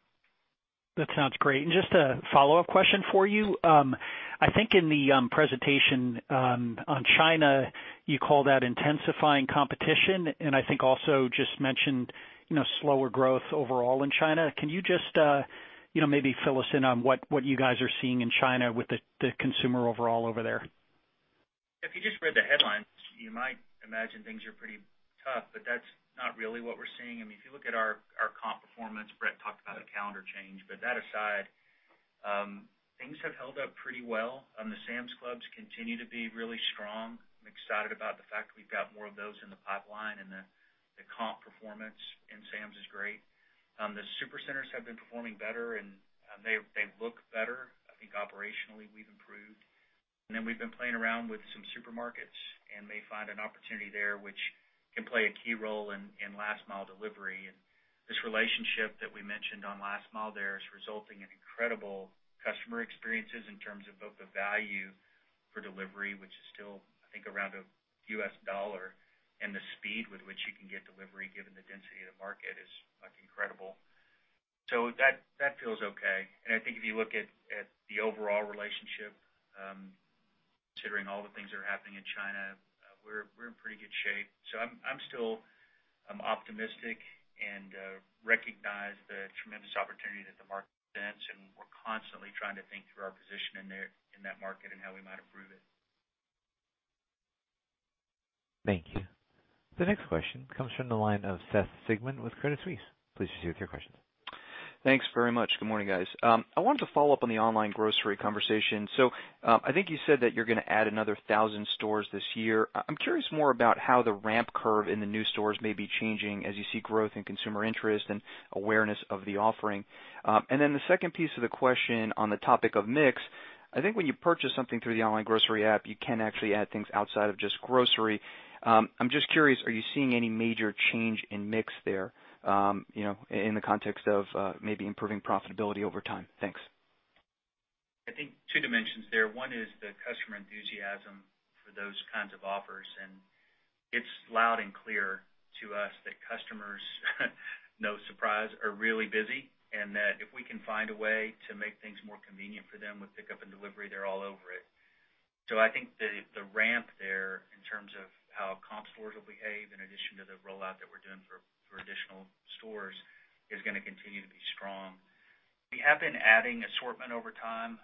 Speaker 10: That sounds great. Just a follow-up question for you. I think in the presentation on China, you call that intensifying competition, and I think also just mentioned slower growth overall in China. Can you just maybe fill us in on what you guys are seeing in China with the consumer overall over there?
Speaker 3: If you just read the headlines, you might imagine things are pretty tough, but that's not really what we're seeing. If you look at our comp performance, Brett talked about a calendar change, but that aside, things have held up pretty well. The Sam's Clubs continue to be really strong. I'm excited about the fact that we've got more of those in the pipeline, and the comp performance in Sam's is great. The Supercenters have been performing better, and they look better. I think operationally, we've improved. We've been playing around with some supermarkets, and may find an opportunity there which can play a key role in last mile delivery. This relationship that we mentioned on last mile there is resulting in incredible customer experiences in terms of both the value for delivery, which is still, I think, around a $1, and the speed with which you can get delivery given the density of the market is incredible. That feels okay. I think if you look at the overall relationship, considering all the things that are happening in China, we're in pretty good shape. I'm still optimistic and recognize the tremendous opportunity that the market presents, and we're constantly trying to think through our position in that market and how we might improve it.
Speaker 1: Thank you. The next question comes from the line of Seth Sigman with Credit Suisse. Please proceed with your question.
Speaker 11: Thanks very much. Good morning, guys. I wanted to follow up on the online grocery conversation. I think you said that you're going to add another 1,000 stores this year. I'm curious more about how the ramp curve in the new stores may be changing as you see growth in consumer interest and awareness of the offering. The second piece of the question on the topic of mix, I think when you purchase something through the online grocery app, you can actually add things outside of just grocery. I'm just curious, are you seeing any major change in mix there, in the context of maybe improving profitability over time? Thanks.
Speaker 3: Two dimensions there. One is the customer enthusiasm for those kinds of offers, and it's loud and clear to us that customers no surprise, are really busy, and that if we can find a way to make things more convenient for them with pickup and delivery, they're all over it. The ramp there in terms of how comp stores will behave in addition to the rollout that we're doing for additional stores is going to continue to be strong. We have been adding assortment over time.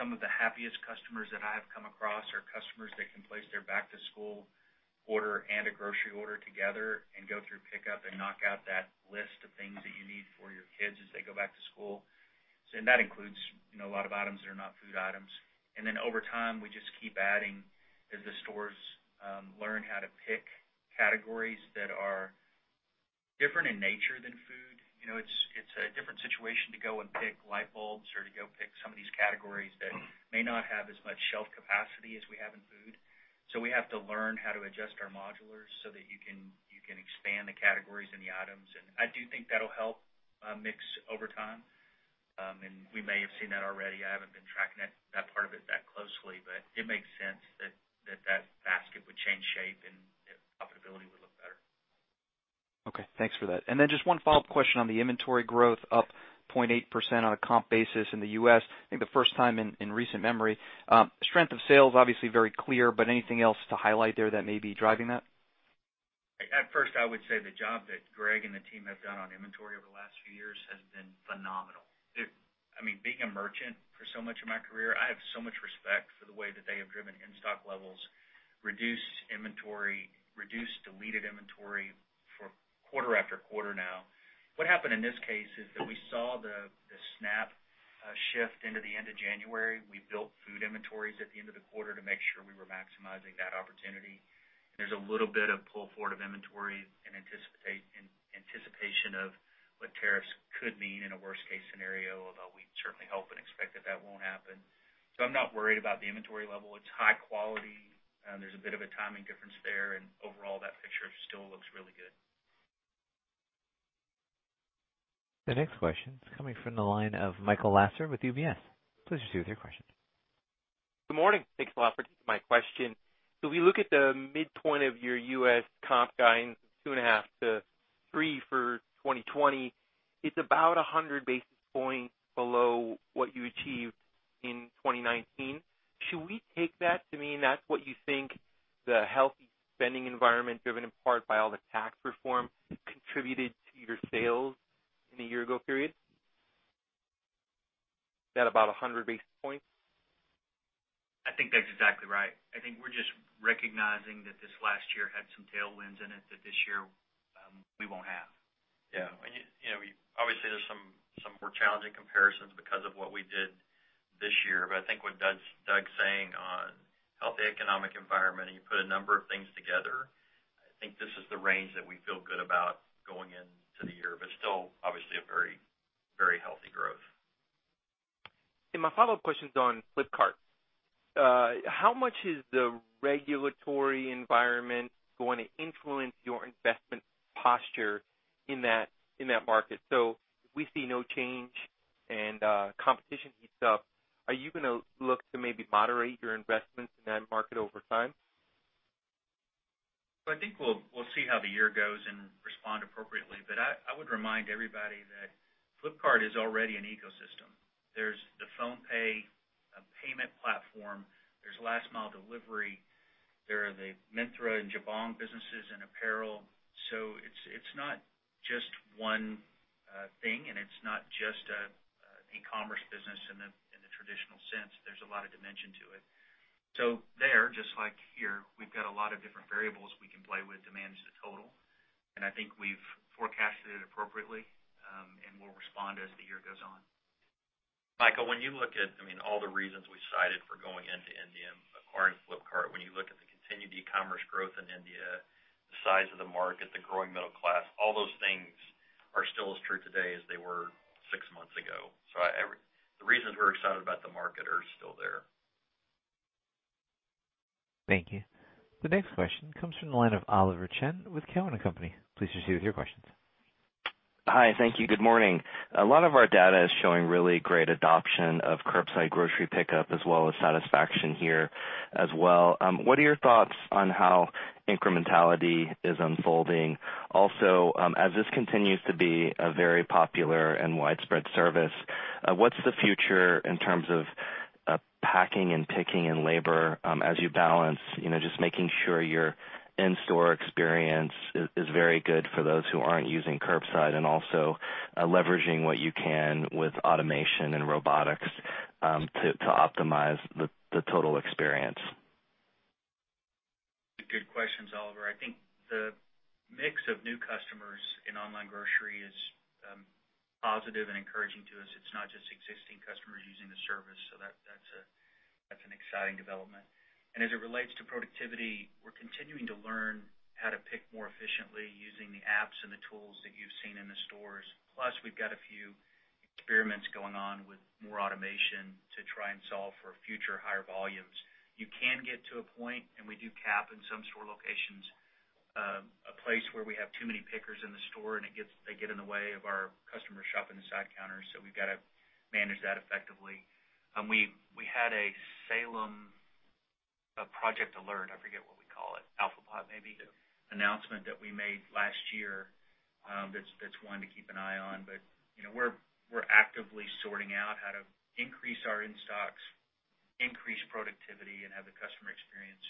Speaker 3: Some of the happiest customers that I have come across are customers that can place their back-to-school order and a grocery order together and go through pickup and knock out that list of things that you need for your kids as they go back to school. That includes a lot of items that are not food items. Over time, we just keep adding as the stores learn how to pick categories that are different in nature than food. It's a different situation to go and pick light bulbs or to go pick some of these categories that may not have as much shelf capacity as we have in food. We have to learn how to adjust our modulars so that you can expand the categories and the items. I do think that'll help mix over time. We may have seen that already. I haven't been tracking that part of it that closely, but it makes sense that that basket would change shape and profitability would look better.
Speaker 11: Okay, thanks for that. Just one follow-up question on the inventory growth up 0.8% on a comp basis in the U.S., I think the first time in recent memory. Strength of sales, obviously very clear, but anything else to highlight there that may be driving that?
Speaker 3: At first, I would say the job that Greg and the team have done on inventory over the last few years has been phenomenal. Being a merchant for so much of my career, I have so much respect for the way that they have driven in-stock levels, reduced inventory, reduced deleted inventory for quarter after quarter now. What happened in this case is that we saw the SNAP shift into the end of January. We built food inventories at the end of the quarter to make sure we were maximizing that opportunity. There's a little bit of pull forward of inventory in anticipation of what tariffs could mean in a worst-case scenario, although we certainly hope and expect that that won't happen. I'm not worried about the inventory level. It's high quality, and there's a bit of a timing difference there, and overall, that picture still looks really good.
Speaker 1: The next question is coming from the line of Michael Lasser with UBS. Please proceed with your question.
Speaker 12: Good morning. Thanks a lot for taking my question. If we look at the midpoint of your U.S. comp guidance of 2.5%-3% for 2020, it's about 100 basis points below what you achieved in 2019. Should we take that to mean that's what you think the healthy spending environment driven in part by all the tax reform contributed to your sales in the year ago period? Is that about 100 basis points?
Speaker 3: I think that's exactly right. I think we're just recognizing that this last year had some tailwinds in it that this year we won't have.
Speaker 4: Obviously, there's some more challenging comparisons because of what we did this year. I think what Doug's saying on healthy economic environment, and you put a number of things together, I think this is the range that we feel good about going into the year, but still, obviously, a very healthy growth.
Speaker 12: My follow-up question is on Flipkart. How much is the regulatory environment going to influence your investment posture in that market? We see no change and competition heats up. Are you going to look to maybe moderate your investments in that market over time?
Speaker 3: I think we'll see how the year goes and respond appropriately. I would remind everybody that Flipkart is already an ecosystem. There's the PhonePe, a payment platform. There's last-mile delivery. There are the Myntra and Jabong businesses in apparel. It's not just one thing, and it's not just an e-commerce business in the traditional sense. There's a lot of dimension to it. There, just like here, we've got a lot of different variables we can play with to manage the total. I think we've forecasted it appropriately, and we'll respond as the year goes on.
Speaker 4: Michael, when you look at all the reasons we cited for going into India and acquiring Flipkart, when you look at the continued e-commerce growth in India, the size of the market, the growing middle class, all those things are still as true today as they were six months ago. The reasons we're excited about the market are still there.
Speaker 1: Thank you. The next question comes from the line of Oliver Chen with Cowen and Company. Please proceed with your questions.
Speaker 13: Hi. Thank you. Good morning. A lot of our data is showing really great adoption of curbside grocery pickup as well as satisfaction here as well. What are your thoughts on how incrementality is unfolding? As this continues to be a very popular and widespread service, what's the future in terms of packing and picking and labor as you balance just making sure your in-store experience is very good for those who aren't using curbside, and also leveraging what you can with automation and robotics to optimize the total experience?
Speaker 3: Good questions, Oliver. I think the mix of new customers in online grocery is positive and encouraging to us. It's not just existing customers using the service. That's an exciting development. As it relates to productivity, we're continuing to learn how to pick more efficiently using the apps and the tools that you've seen in the stores. Plus, we've got a few experiments going on with more automation to try and solve for future higher volumes. You can get to a point, and we do cap in some store locations, a place where we have too many pickers in the store, and they get in the way of our customers shopping the side counters. We've got to manage that effectively. We had a Salem, a project alert, I forget what we call it, Alphabot maybe.
Speaker 4: Yeah
Speaker 3: That was an announcement that we made last year. That's one to keep an eye on. We're actively sorting out how to increase our in-stocks, increase productivity, and have the customer experience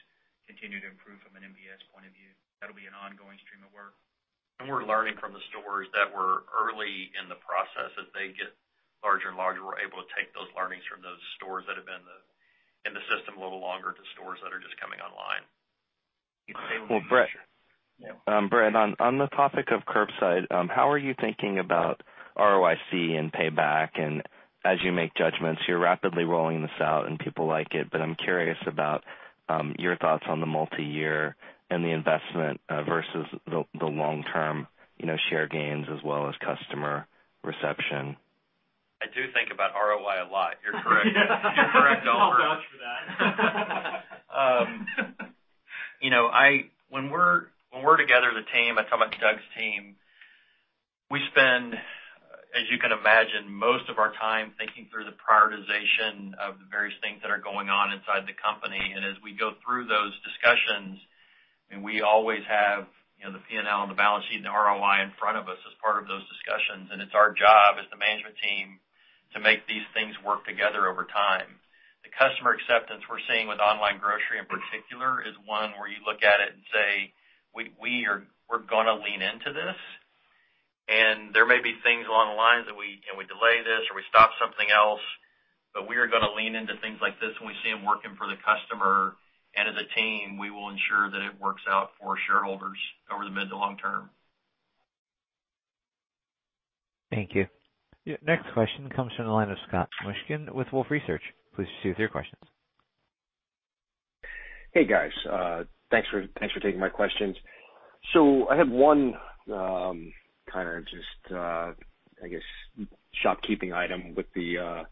Speaker 3: continue to improve from an NPS point of view. That'll be an ongoing stream of work.
Speaker 4: We're learning from the stores that were early in the process. As they get larger and larger, we're able to take those learnings from those stores that have been in the system a little longer to stores that are just coming online.
Speaker 3: You stay with me, Michael.
Speaker 4: Yeah.
Speaker 13: Brett, on the topic of curbside, how are you thinking about ROIC and payback? As you make judgments, you're rapidly rolling this out, and people like it, but I'm curious about your thoughts on the multi-year and the investment versus the long-term share gains as well as customer reception.
Speaker 4: I do think about ROI a lot. You're correct. You're correct, Oliver.
Speaker 3: I'll vouch for that.
Speaker 4: When we're together as a team, I'm talking about Doug's team, we spend, as you can imagine, most of our time thinking through the prioritization of the various things that are going on inside the company. As we go through those discussions, we always have the P&L and the balance sheet and the ROI in front of us as part of those discussions, and it's our job as the management team to make these things work together over time. The customer acceptance we're seeing with online grocery in particular is one where you look at it and say, "We're going to lean into this," and there may be things along the lines that we delay this, or we stop something else, but we are going to lean into things like this when we see them working for the customer. As a team, we will ensure that it works out for shareholders over the mid to long term.
Speaker 1: Thank you. Next question comes from the line of Scott Mushkin with Wolfe Research. Please proceed with your questions.
Speaker 14: Hey, guys. Thanks for taking my questions. I had one kind of just, I guess, shopkeeping item with the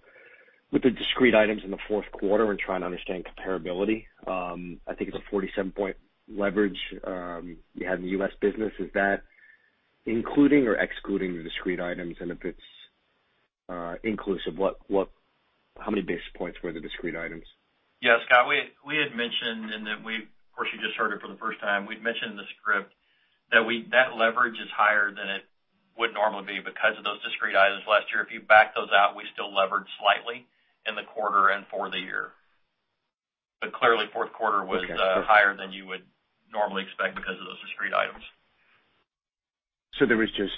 Speaker 14: discrete items in the fourth quarter and trying to understand comparability. I think it's a 47-point leverage you had in the U.S. business. Is that including or excluding the discrete items? And if it's inclusive, how many basis points were the discrete items?
Speaker 4: Yeah, Scott, we had mentioned, and then of course, you just heard it for the first time. We'd mentioned in the script that that leverage is higher than it would normally be because of those discrete items last year. If you back those out, we still levered slightly in the quarter and for the year. But clearly, fourth quarter was-
Speaker 14: Okay
Speaker 4: higher than you would normally expect because of those discrete items.
Speaker 14: There was just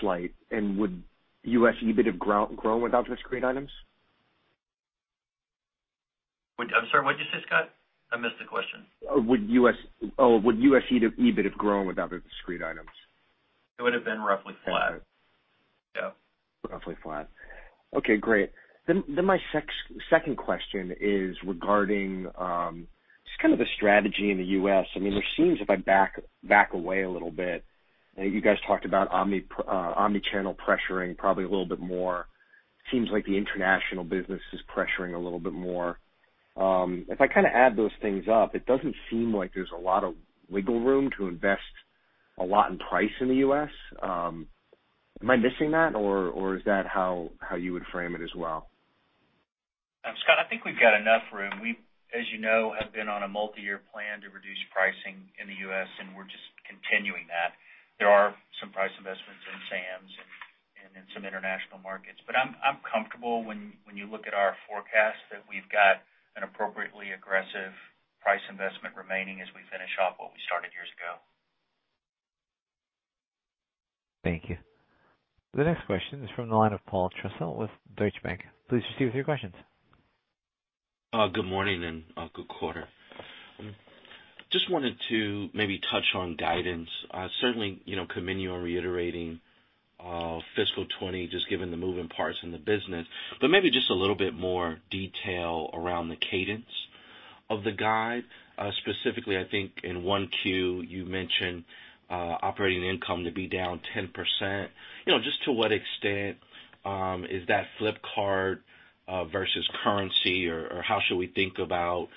Speaker 14: slight. And would U.S. EBIT have grown without discrete items?
Speaker 4: I'm sorry, what'd you say, Scott? I missed the question.
Speaker 14: Would U.S. EBIT have grown without the discrete items?
Speaker 4: It would've been roughly flat.
Speaker 14: Okay.
Speaker 4: Yeah.
Speaker 14: Roughly flat. Okay, great. My second question is regarding just kind of the strategy in the U.S. There seems, if I back away a little bit, you guys talked about omni-channel pressuring probably a little bit more. Seems like the international business is pressuring a little bit more. If I add those things up, it doesn't seem like there's a lot of wiggle room to invest a lot in price in the U.S. Am I missing that, or is that how you would frame it as well?
Speaker 3: I think we've got enough room. We, as you know, have been on a multi-year plan to reduce pricing in the U.S., and we're just continuing that. There are some price investments in Sam's and in some international markets. I'm comfortable when you look at our forecast that we've got an appropriately aggressive price investment remaining as we finish off what we started years ago.
Speaker 1: Thank you. The next question is from the line of Paul Trussell with Deutsche Bank. Please proceed with your questions.
Speaker 15: Good morning and good quarter. Just wanted to maybe touch on guidance. Certainly, continuing on reiterating fiscal 2020, just given the moving parts in the business, but maybe just a little bit more detail around the cadence of the guide. Specifically, I think in 1Q, you mentioned operating income to be down 10%. Just to what extent is that Flipkart versus currency or how should we think about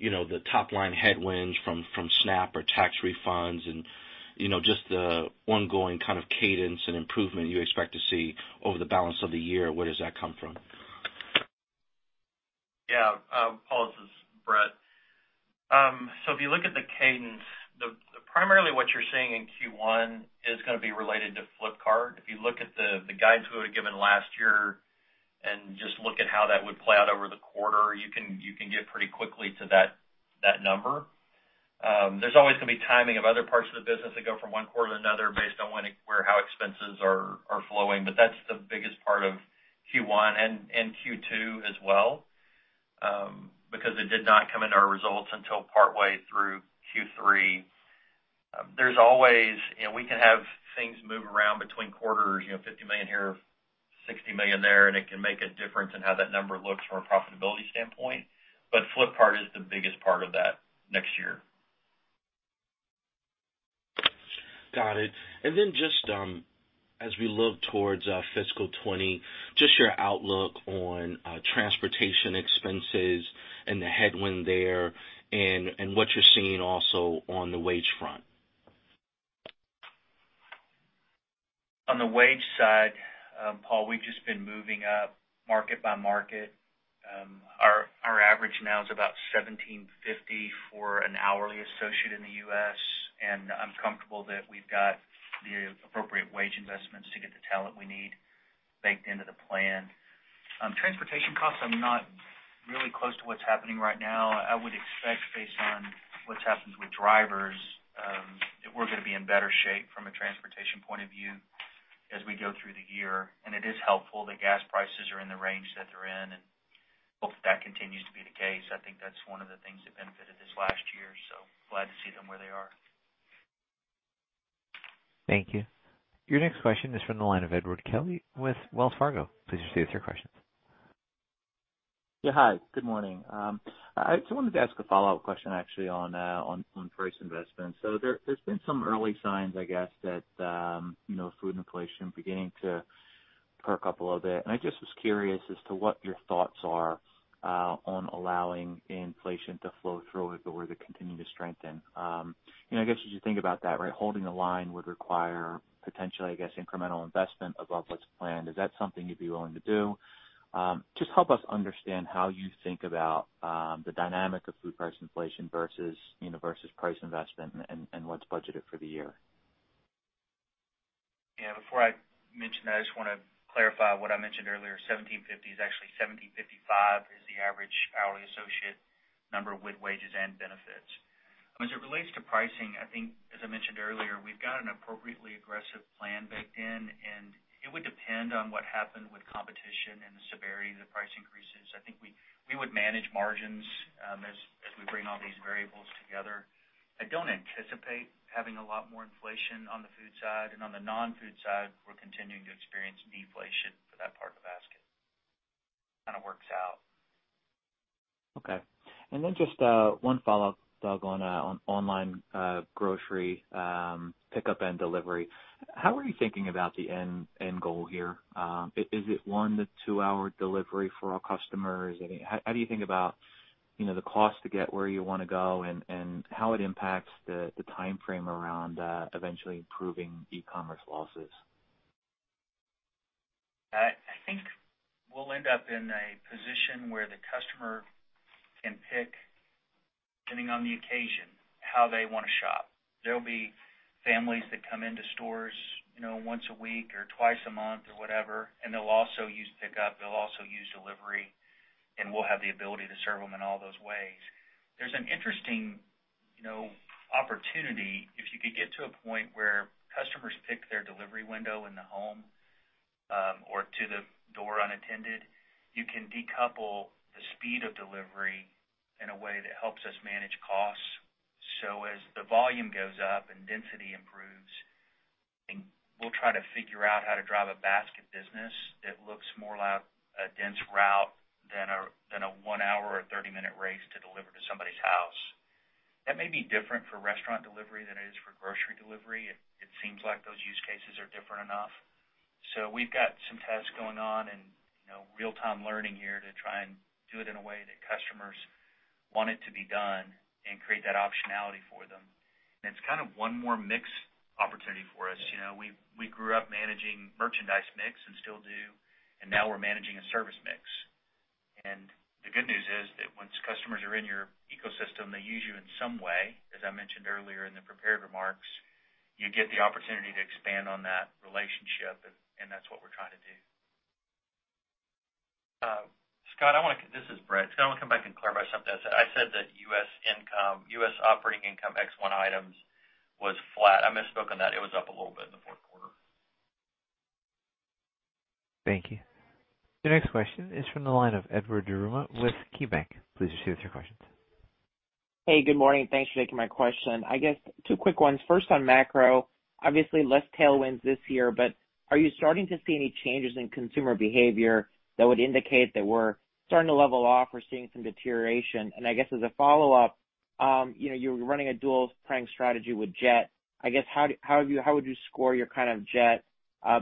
Speaker 15: the top-line headwind from SNAP or tax refunds and just the ongoing kind of cadence and improvement you expect to see over the balance of the year? Where does that come from?
Speaker 4: Paul, this is Brett. If you look at the cadence, primarily what you're seeing in Q1 is going to be related to Flipkart. If you look at the guidance we had given last year and just look at how that would play out over the quarter, you can get pretty quickly to that number. There's always going to be timing of other parts of the business that go from one quarter to another based on where how expenses are flowing. That's the biggest part of Q1 and Q2 as well, because it did not come into our results until partway through Q3. We can have things move around between quarters, $50 million here, $60 million there, and it can make a difference in how that number looks from a profitability standpoint. Flipkart is the biggest part of that next year.
Speaker 15: Got it. Just as we look towards fiscal 2020, just your outlook on transportation expenses and the headwind there and what you're seeing also on the wage front.
Speaker 4: On the wage side, Paul, we've just been moving up market by market. Our average now is about $17.50 for an hourly associate in the U.S., I'm comfortable that we've got the appropriate wage investments to get the talent we need baked into the plan. Transportation costs, I'm not really close to what's happening right now. I would expect based on what's happened with drivers, that we're going to be in better shape from a transportation point of view as we go through the year. It is helpful that gas prices are in the range that they're in, and hope that continues to be the case. I think that's one of the things that benefited this last year, glad to see them where they are.
Speaker 1: Thank you. Your next question is from the line of Edward Kelly with Wells Fargo. Please proceed with your questions.
Speaker 16: Yeah, hi. Good morning. I just wanted to ask a follow-up question, actually, on price investments. There's been some early signs, I guess, that food inflation beginning to perk up a little bit. I just was curious as to what your thoughts are on allowing inflation to flow through as it were to continue to strengthen. I guess as you think about that, right? Holding the line would require potentially, I guess, incremental investment above what's planned. Is that something you'd be willing to do? Just help us understand how you think about the dynamic of food price inflation versus price investment and what's budgeted for the year.
Speaker 3: Before I mention that, I just want to clarify what I mentioned earlier, $17.55 is the average hourly associate number with wages and benefits. As it relates to pricing, I think as I mentioned earlier, we've got an appropriately aggressive plan baked in. It would depend on what happened with competition and the severity of the price increases. I think we would manage margins as we bring all these variables together. I don't anticipate having a lot more inflation on the food side and on the non-food side, we're continuing to experience deflation for that part of the basket. Kind of works out.
Speaker 16: Okay. Then just one follow-up, Doug, on online grocery pickup and delivery. How are you thinking about the end goal here? Is it one to two-hour delivery for all customers? How do you think about the cost to get where you want to go and how it impacts the timeframe around eventually improving e-commerce losses?
Speaker 3: I think we'll end up in a position where the customer can pick, depending on the occasion, how they want to shop. There'll be families that come into stores once a week or twice a month or whatever, and they'll also use pickup, they'll also use delivery, and we'll have the ability to serve them in all those ways. There's an interesting opportunity if you could get to a point where customers pick their delivery window in the home, or to the door unattended, you can decouple the speed of delivery in a way that helps us manage costs. As the volume goes up and density improves, we'll try to figure out how to drive a basket business that looks more like a dense route than a one hour or a 30-minute race to deliver to somebody's house. That may be different for restaurant delivery than it is for grocery delivery. It seems like those use cases are different enough. We've got some tests going on and real-time learning here to try and do it in a way that customers want it to be done and create that optionality for them. It's kind of one more mix opportunity for us. We grew up managing merchandise mix and still do. Now we're managing a service mix. The good news is that once customers are in your ecosystem, they use you in some way. As I mentioned earlier in the prepared remarks, you get the opportunity to expand on that relationship. That's what we're trying to do.
Speaker 4: Scott, this is Brett. Scott, I want to come back and clarify something I said. I said that U.S. operating income ex one-time items was flat. I misspoke on that. It was up a little bit in the fourth quarter.
Speaker 1: Thank you. The next question is from the line of Edward Yruma with KeyBanc. Please proceed with your questions.
Speaker 17: Hey, good morning. Thanks for taking my question. I guess two quick ones. First, on macro, obviously less tailwinds this year, but are you starting to see any changes in consumer behavior that would indicate that we're starting to level off or seeing some deterioration? As a follow-up, you're running a dual playing strategy with Jet.com. I guess how would you score your kind of Jet.com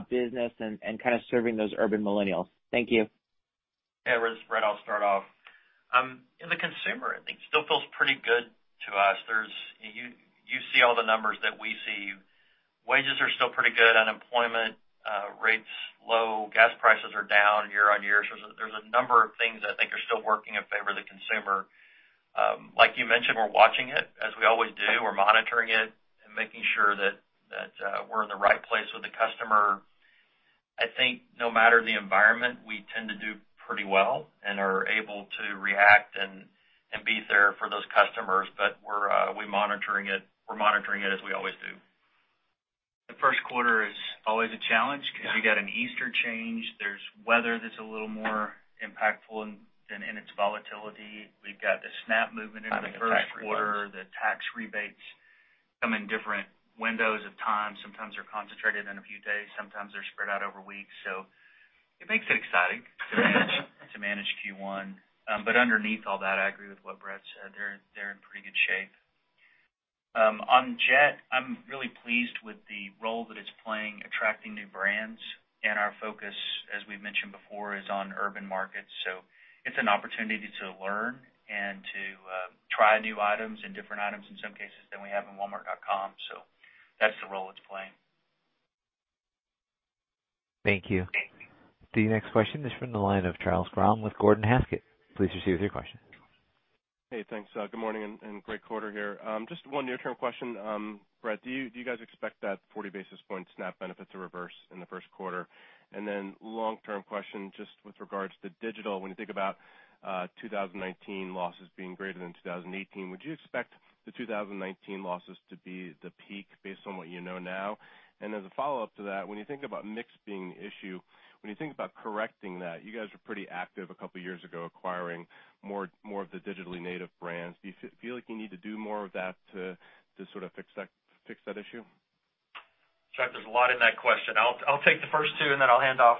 Speaker 17: business and kind of serving those urban millennials? Thank you.
Speaker 4: Hey, this is Brett. I'll start off. In the consumer, I think still feels pretty good to us. You see all the numbers that we see. Wages are still pretty good. Unemployment rates low. Gas prices are down year-on-year. There's a number of things that I think are still working in favor of the consumer. Like you mentioned, we're watching it as we always do. We're monitoring it and making sure that we're in the right place with the customer. I think no matter the environment, we tend to do pretty well and are able to react and be there for those customers. We're monitoring it as we always do.
Speaker 3: The first quarter is always a challenge because you got an Easter change. There's weather that's a little more impactful in its volatility. We've got the SNAP movement in the first quarter. The tax rebates come in different windows of time. Sometimes they're concentrated in a few days, sometimes they're spread out over weeks. It makes it exciting to manage Q1. Underneath all that, I agree with what Brett said. They're in pretty good shape. On Jet.com, I'm really pleased with the role that it's playing attracting new brands, and our focus, as we've mentioned before, is on urban markets. It's an opportunity to learn and to try new items and different items in some cases than we have on walmart.com. That's the role it's playing.
Speaker 1: Thank you. The next question is from the line of Charles Grom with Gordon Haskett. Please proceed with your question.
Speaker 18: Hey, thanks. Good morning, and great quarter here. Just one near-term question. Brett, do you guys expect that 40 basis points SNAP benefits are reversed in the first quarter? Then long-term question, just with regards to digital, when you think about 2019 losses being greater than 2018, would you expect the 2019 losses to be the peak based on what you know now? As a follow-up to that, when you think about mix being the issue, when you think about correcting that, you guys were pretty active a couple of years ago acquiring more of the digitally native brands. Do you feel like you need to do more of that to sort of fix that issue?
Speaker 4: Chuck, there's a lot in that question. I'll take the first two and then I'll hand off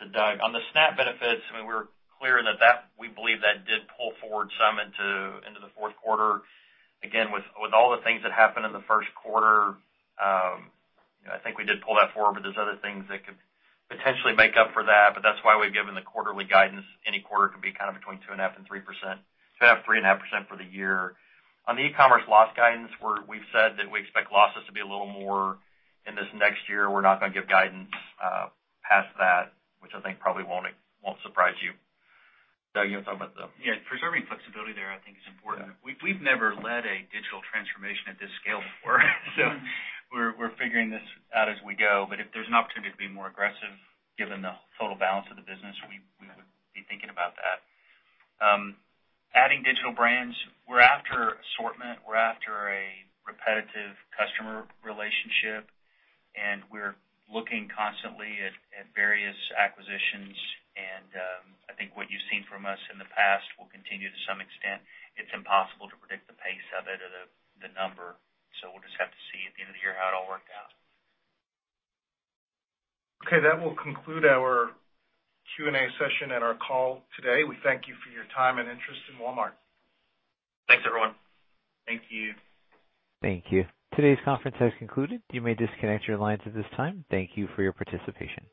Speaker 4: to Doug. On the SNAP benefits, I mean, we're clear that we believe that did pull forward some into the fourth quarter. Again, with all the things that happened in the first quarter, I think we did pull that forward. There's other things that could potentially make up for that. That's why we've given the quarterly guidance. Any quarter could be kind of between 2.5% and 3.5% for the year. On the e-commerce loss guidance, we've said that we expect losses to be a little more in this next year. We're not going to give guidance past that, which I think probably won't surprise you. Doug, you want to talk about the-
Speaker 3: Yeah. Preserving flexibility there I think is important. We've never led a digital transformation at this scale before, we're figuring this out as we go. If there's an opportunity to be more aggressive given the total balance of the business, we would be thinking about that. Adding digital brands, we're after assortment, we're after a repetitive customer relationship, we're looking constantly at various acquisitions, and I think what you've seen from us in the past will continue to some extent. It's impossible to predict the pace of it or the number. We'll just have to see at the end of the year how it all worked out.
Speaker 2: Okay, that will conclude our Q&A session and our call today. We thank you for your time and interest in Walmart.
Speaker 4: Thanks, everyone.
Speaker 3: Thank you.
Speaker 1: Thank you. Today's conference has concluded. You may disconnect your lines at this time. Thank you for your participation.